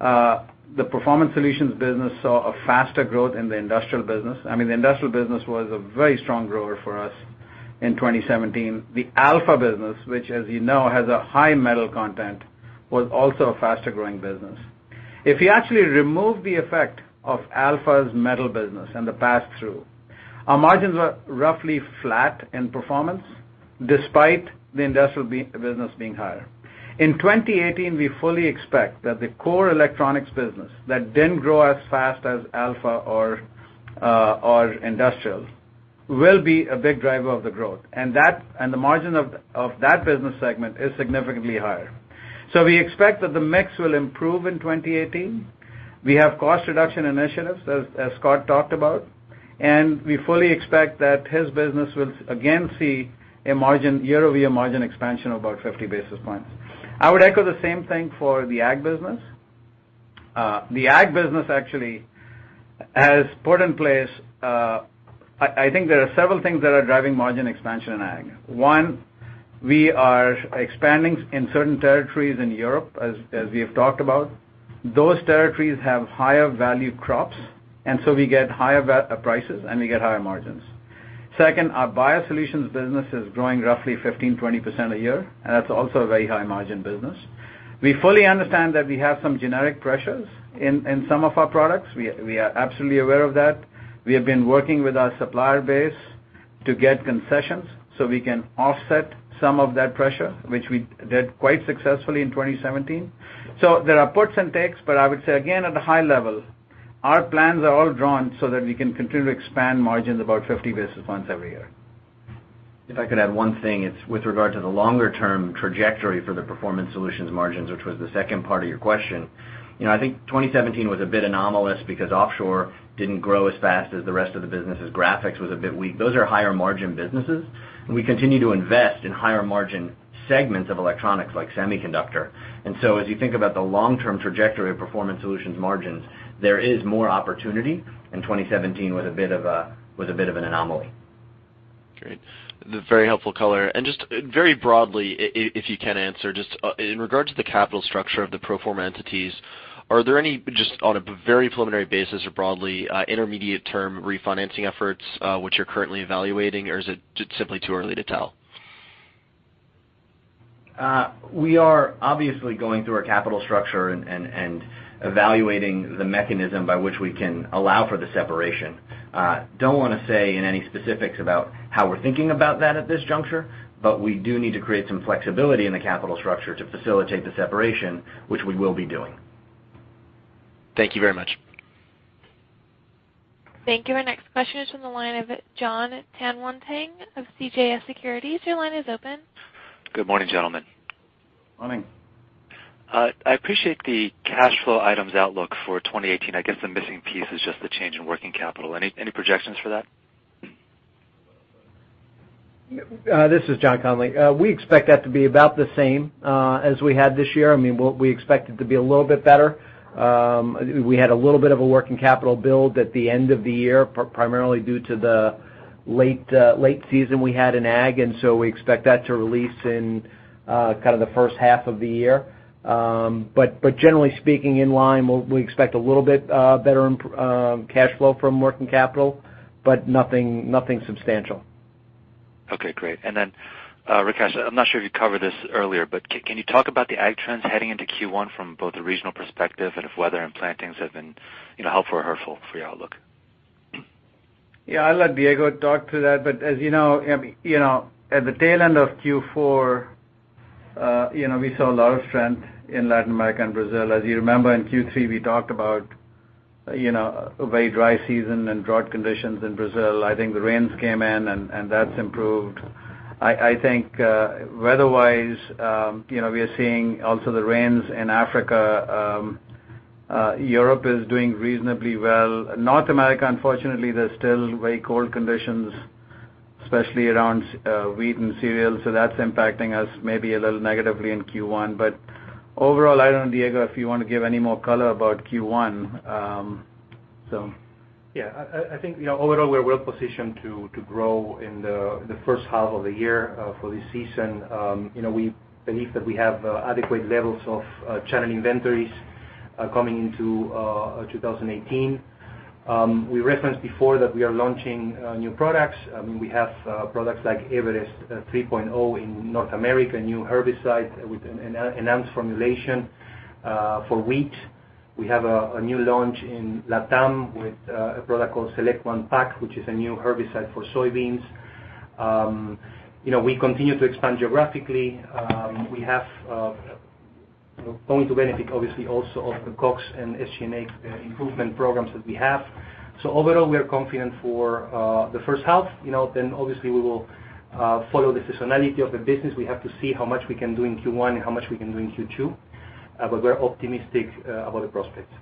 [SPEAKER 3] the Performance Solutions business saw a faster growth in the industrial business. I mean, the industrial business was a very strong grower for us in 2017. The Alpha business, which as you know, has a high metal content, was also a faster-growing business. If you actually remove the effect of Alpha's metal business and the passthrough, our margins are roughly flat in performance despite the industrial business being higher. In 2018, we fully expect that the core electronics business that didn't grow as fast as Alpha or industrials, will be a big driver of the growth. The margin of that business segment is significantly higher. We expect that the mix will improve in 2018. We have cost reduction initiatives, as Scot talked about, and we fully expect that his business will again see a year-over-year margin expansion of about 50 basis points. I would echo the same thing for the ag business. The ag business actually has put in place. I think there are several things that are driving margin expansion in ag. One, we are expanding in certain territories in Europe as we have talked about. Those territories have higher value crops, we get higher prices and we get higher margins. Second, our BioSolutions business is growing roughly 15%-20% a year, and that's also a very high margin business. We fully understand that we have some generic pressures in some of our products. We are absolutely aware of that. We have been working with our supplier base to get concessions so we can offset some of that pressure, which we did quite successfully in 2017. There are puts and takes, but I would say again, at a high level, our plans are all drawn so that we can continue to expand margins about 50 basis points every year.
[SPEAKER 5] If I could add one thing, it's with regard to the longer-term trajectory for the Performance Solutions margins, which was the second part of your question. I think 2017 was a bit anomalous because offshore didn't grow as fast as the rest of the business, as Graphics Solutions was a bit weak. Those are higher margin businesses, and we continue to invest in higher margin segments of electronics like semiconductor. As you think about the long-term trajectory of Performance Solutions margins, there is more opportunity, and 2017 was a bit of an anomaly.
[SPEAKER 12] Great. Very helpful color. Just very broadly, if you can answer, just in regards to the capital structure of the pro forma entities, are there any, just on a very preliminary basis or broadly, intermediate-term refinancing efforts, which are currently evaluating, or is it just simply too early to tell?
[SPEAKER 5] We are obviously going through our capital structure and evaluating the mechanism by which we can allow for the separation. Don't want to say in any specifics about how we're thinking about that at this juncture, but we do need to create some flexibility in the capital structure to facilitate the separation, which we will be doing.
[SPEAKER 12] Thank you very much.
[SPEAKER 1] Thank you. Our next question is from the line of John Tanwanteng of CJS Securities. Your line is open.
[SPEAKER 13] Good morning, gentlemen.
[SPEAKER 3] Morning.
[SPEAKER 13] I appreciate the cash flow items outlook for 2018. I guess the missing piece is just the change in working capital. Any projections for that?
[SPEAKER 4] This is John Connolly. We expect that to be about the same as we had this year. We expect it to be a little bit better. We had a little bit of a working capital build at the end of the year, primarily due to the late season we had in ag, and so we expect that to release in kind of the first half of the year. Generally speaking, in line, we expect a little bit better cash flow from working capital, but nothing substantial.
[SPEAKER 13] Okay, great. Then, Rakesh, I'm not sure if you covered this earlier, but can you talk about the ag trends heading into Q1 from both the regional perspective and if weather and plantings have been helpful or hurtful for your outlook?
[SPEAKER 3] Yeah, I'll let Diego talk to that. As you know, at the tail end of Q4, we saw a lot of strength in Latin America and Brazil. As you remember in Q3, we talked about a very dry season and drought conditions in Brazil. I think the rains came in and that's improved. I think weather-wise, we are seeing also the rains in Africa. Europe is doing reasonably well. North America, unfortunately, there's still very cold conditions, especially around wheat and cereal, so that's impacting us maybe a little negatively in Q1. Overall, I don't know, Diego, if you want to give any more color about Q1.
[SPEAKER 7] Yeah. I think overall we're well positioned to grow in the first half of the year for this season. We believe that we have adequate levels of channel inventories coming into 2018. We referenced before that we are launching new products. We have products like EVEREST® 3.0 in North America, new herbicides with an enhanced formulation. For wheat, we have a new launch in LatAm with a product called Select One Pack, which is a new herbicide for soybeans. We continue to expand geographically. We have going to benefit obviously also off the COGS and SG&A improvement programs that we have. Overall, we are confident for the first half. Obviously we will follow the seasonality of the business. We have to see how much we can do in Q1 and how much we can do in Q2. We're optimistic about the prospects.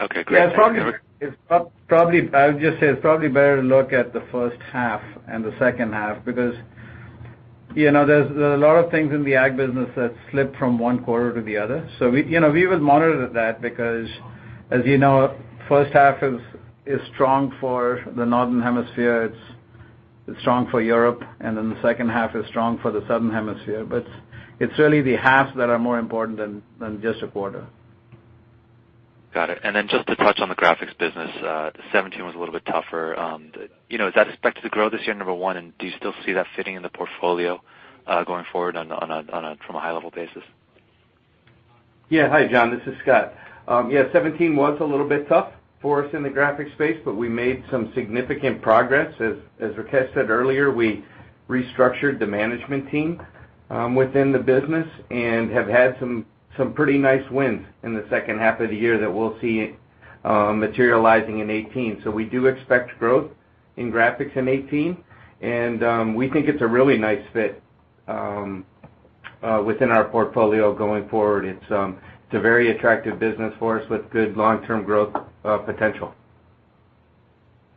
[SPEAKER 13] Okay, great.
[SPEAKER 3] Yeah, probably, I would just say it's probably better to look at the first half and the second half, because there's a lot of things in the ag business that slip from one quarter to the other. We will monitor that because, as you know, first half is strong for the Northern Hemisphere, it's strong for Europe, the second half is strong for the Southern Hemisphere. It's really the halves that are more important than just a quarter.
[SPEAKER 13] Got it. Then just to touch on the graphics business, 2017 was a little bit tougher. Is that expected to grow this year, number one, and do you still see that fitting in the portfolio, going forward on a high level basis?
[SPEAKER 8] Hi, John. This is Scot. Yeah, 2017 was a little bit tough for us in the graphics space, but we made some significant progress. As Rakesh said earlier, we restructured the management team within the business and have had some pretty nice wins in the second half of the year that we'll see materializing in 2018. We do expect growth in graphics in 2018, and we think it's a really nice fit within our portfolio going forward. It's a very attractive business for us with good long-term growth potential.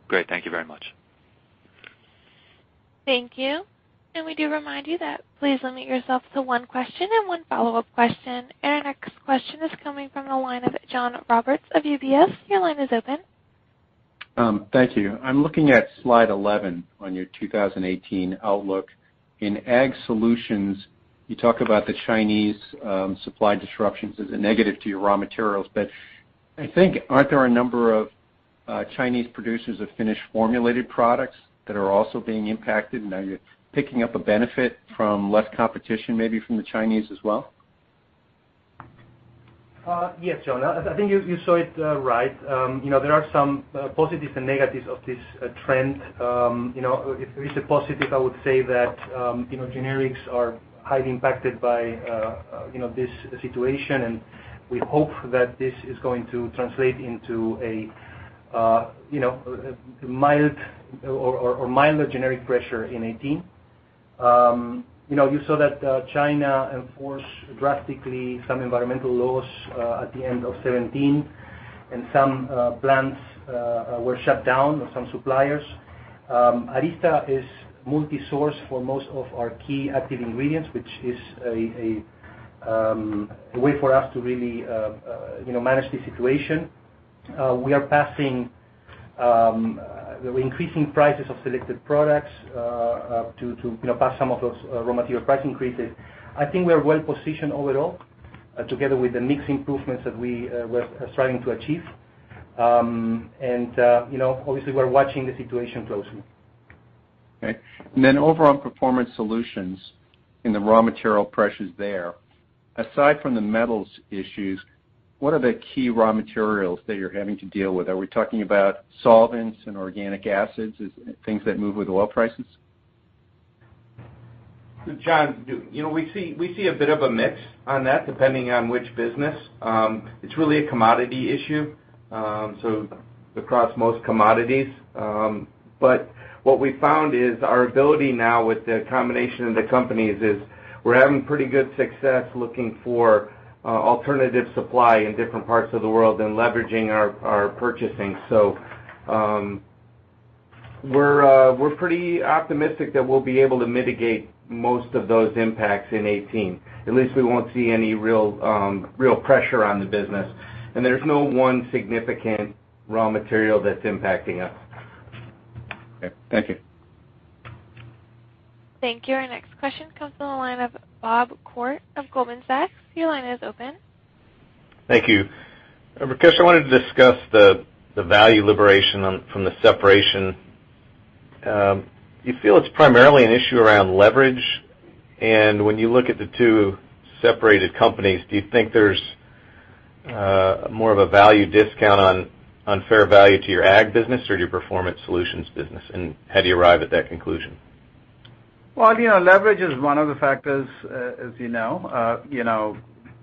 [SPEAKER 13] Great. Thank you very much.
[SPEAKER 1] Thank you. We do remind you that please limit yourself to one question and one follow-up question. Our next question is coming from the line of John Roberts of UBS. Your line is open.
[SPEAKER 14] Thank you. I'm looking at slide 11 on your 2018 outlook. In Ag Solutions, you talk about the Chinese supply disruptions as a negative to your raw materials, I think, aren't there a number of Chinese producers of finished formulated products that are also being impacted, and now you're picking up a benefit from less competition, maybe from the Chinese as well?
[SPEAKER 7] Yes, John, I think you saw it right. There are some positives and negatives of this trend. If there is a positive, I would say that generics are highly impacted by this situation, and we hope that this is going to translate into a milder generic pressure in 2018. You saw that China enforce drastically some environmental laws at the end of 2017, and some plants were shut down or some suppliers. Arysta is multi-source for most of our key active ingredients, which is a way for us to really manage the situation. We are increasing prices of selected products to pass some of those raw material price increases. I think we are well positioned overall, together with the mix improvements that we're striving to achieve. Obviously we're watching the situation closely.
[SPEAKER 14] Okay. Overall Performance Solutions in the raw material pressures there, aside from the metals issues, what are the key raw materials that you're having to deal with? Are we talking about solvents and organic acids, things that move with oil prices?
[SPEAKER 8] John, we see a bit of a mix on that, depending on which business. It's really a commodity issue, so across most commodities. What we found is our ability now with the combination of the companies is we're having pretty good success looking for alternative supply in different parts of the world and leveraging our purchasing. We're pretty optimistic that we'll be able to mitigate most of those impacts in 2018. At least we won't see any real pressure on the business, and there's no one significant raw material that's impacting us.
[SPEAKER 14] Okay. Thank you.
[SPEAKER 1] Thank you. Our next question comes from the line of Bob Koort of Goldman Sachs. Your line is open.
[SPEAKER 15] Thank you. Rakesh, I wanted to discuss the value liberation from the separation. Do you feel it's primarily an issue around leverage? When you look at the two separated companies, do you think there's more of a value discount on fair value to your Ag business or your Performance Solutions business, and how do you arrive at that conclusion?
[SPEAKER 3] Well, leverage is one of the factors, as you know.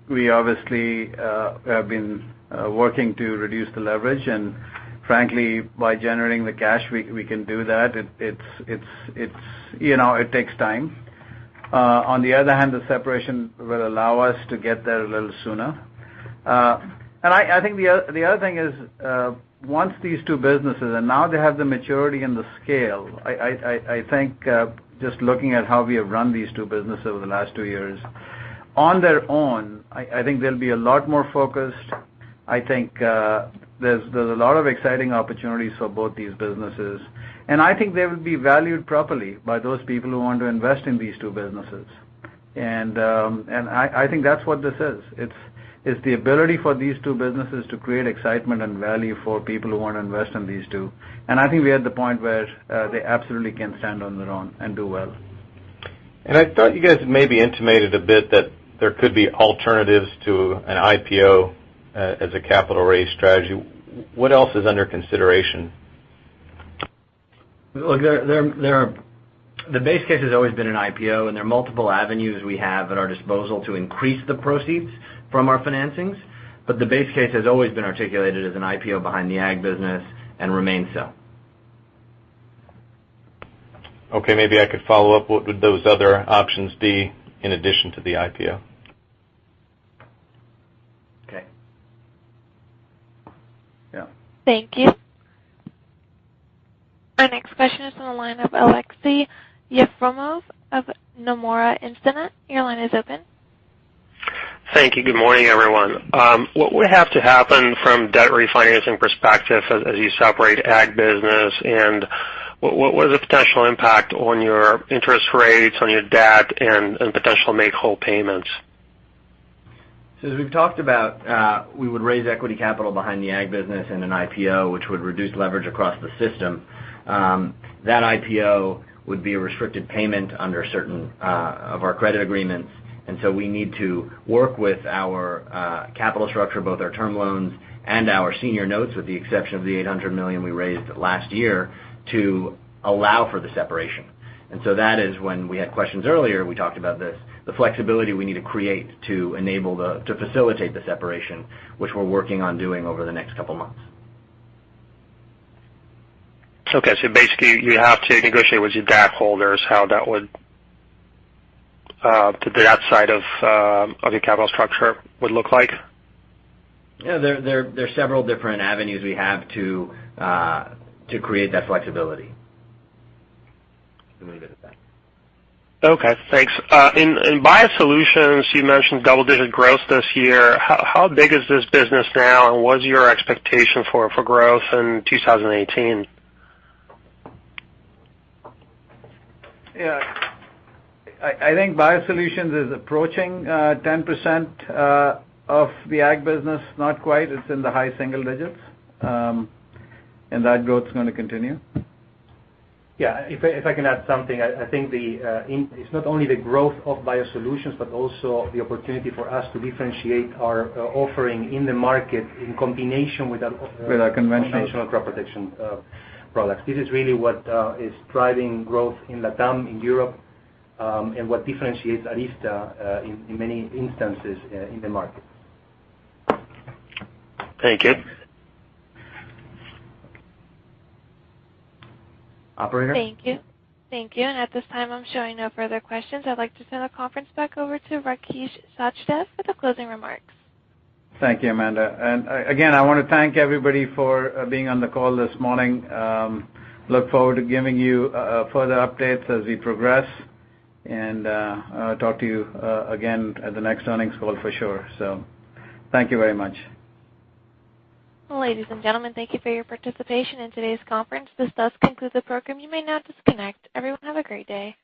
[SPEAKER 3] We obviously have been working to reduce the leverage, and frankly, by generating the cash, we can do that. It takes time. On the other hand, the separation will allow us to get there a little sooner. I think the other thing is, once these two businesses, and now they have the maturity and the scale, I think just looking at how we have run these two businesses over the last two years, on their own, I think they'll be a lot more focused. I think there's a lot of exciting opportunities for both these businesses, and I think they will be valued properly by those people who want to invest in these two businesses. I think that's what this is. It's the ability for these two businesses to create excitement and value for people who want to invest in these two. I think we're at the point where they absolutely can stand on their own and do well.
[SPEAKER 15] I thought you guys maybe intimated a bit that there could be alternatives to an IPO as a capital raise strategy. What else is under consideration?
[SPEAKER 5] Look, the base case has always been an IPO, there are multiple avenues we have at our disposal to increase the proceeds from our financings. The base case has always been articulated as an IPO behind the ag business and remains so.
[SPEAKER 15] Okay, maybe I could follow up. What would those other options be in addition to the IPO?
[SPEAKER 5] Okay. Yeah.
[SPEAKER 1] Thank you. Our next question is on the line of Aleksey Yefremov of Nomura Instinet. Your line is open.
[SPEAKER 16] Thank you. Good morning, everyone. What would have to happen from a debt refinancing perspective as you separate ag business, and what is the potential impact on your interest rates, on your debt, and potential make-whole payments?
[SPEAKER 5] As we've talked about, we would raise equity capital behind the ag business in an IPO, which would reduce leverage across the system. That IPO would be a restricted payment under certain of our credit agreements. We need to work with our capital structure, both our term loans and our senior notes, with the exception of the $800 million we raised last year, to allow for the separation. That is when we had questions earlier, we talked about this, the flexibility we need to create to facilitate the separation, which we're working on doing over the next couple of months.
[SPEAKER 16] Okay. Basically, you have to negotiate with your debt holders how the debt side of your capital structure would look like?
[SPEAKER 5] There are several different avenues we have to create that flexibility. Let me give it back.
[SPEAKER 16] Okay, thanks. In Biosolutions, you mentioned double-digit growth this year. How big is this business now, and what is your expectation for growth in 2018?
[SPEAKER 3] I think Biosolutions is approaching 10% of the ag business. Not quite. It's in the high single digits. That growth is going to continue.
[SPEAKER 7] Yeah. If I can add something, I think it's not only the growth of biosolutions, but also the opportunity for us to differentiate our offering in the market in combination with our-
[SPEAKER 3] With our conventional
[SPEAKER 7] conventional crop protection products. This is really what is driving growth in LATAM, in Europe, and what differentiates Arysta in many instances in the market.
[SPEAKER 16] Thank you.
[SPEAKER 5] Operator?
[SPEAKER 1] Thank you. At this time, I'm showing no further questions. I'd like to turn the conference back over to Rakesh Sachdev for the closing remarks.
[SPEAKER 3] Thank you, Amanda. Again, I want to thank everybody for being on the call this morning. Look forward to giving you further updates as we progress, and I'll talk to you again at the next earnings call for sure. Thank you very much.
[SPEAKER 1] Ladies and gentlemen, thank you for your participation in today's conference. This does conclude the program. You may now disconnect. Everyone, have a great day.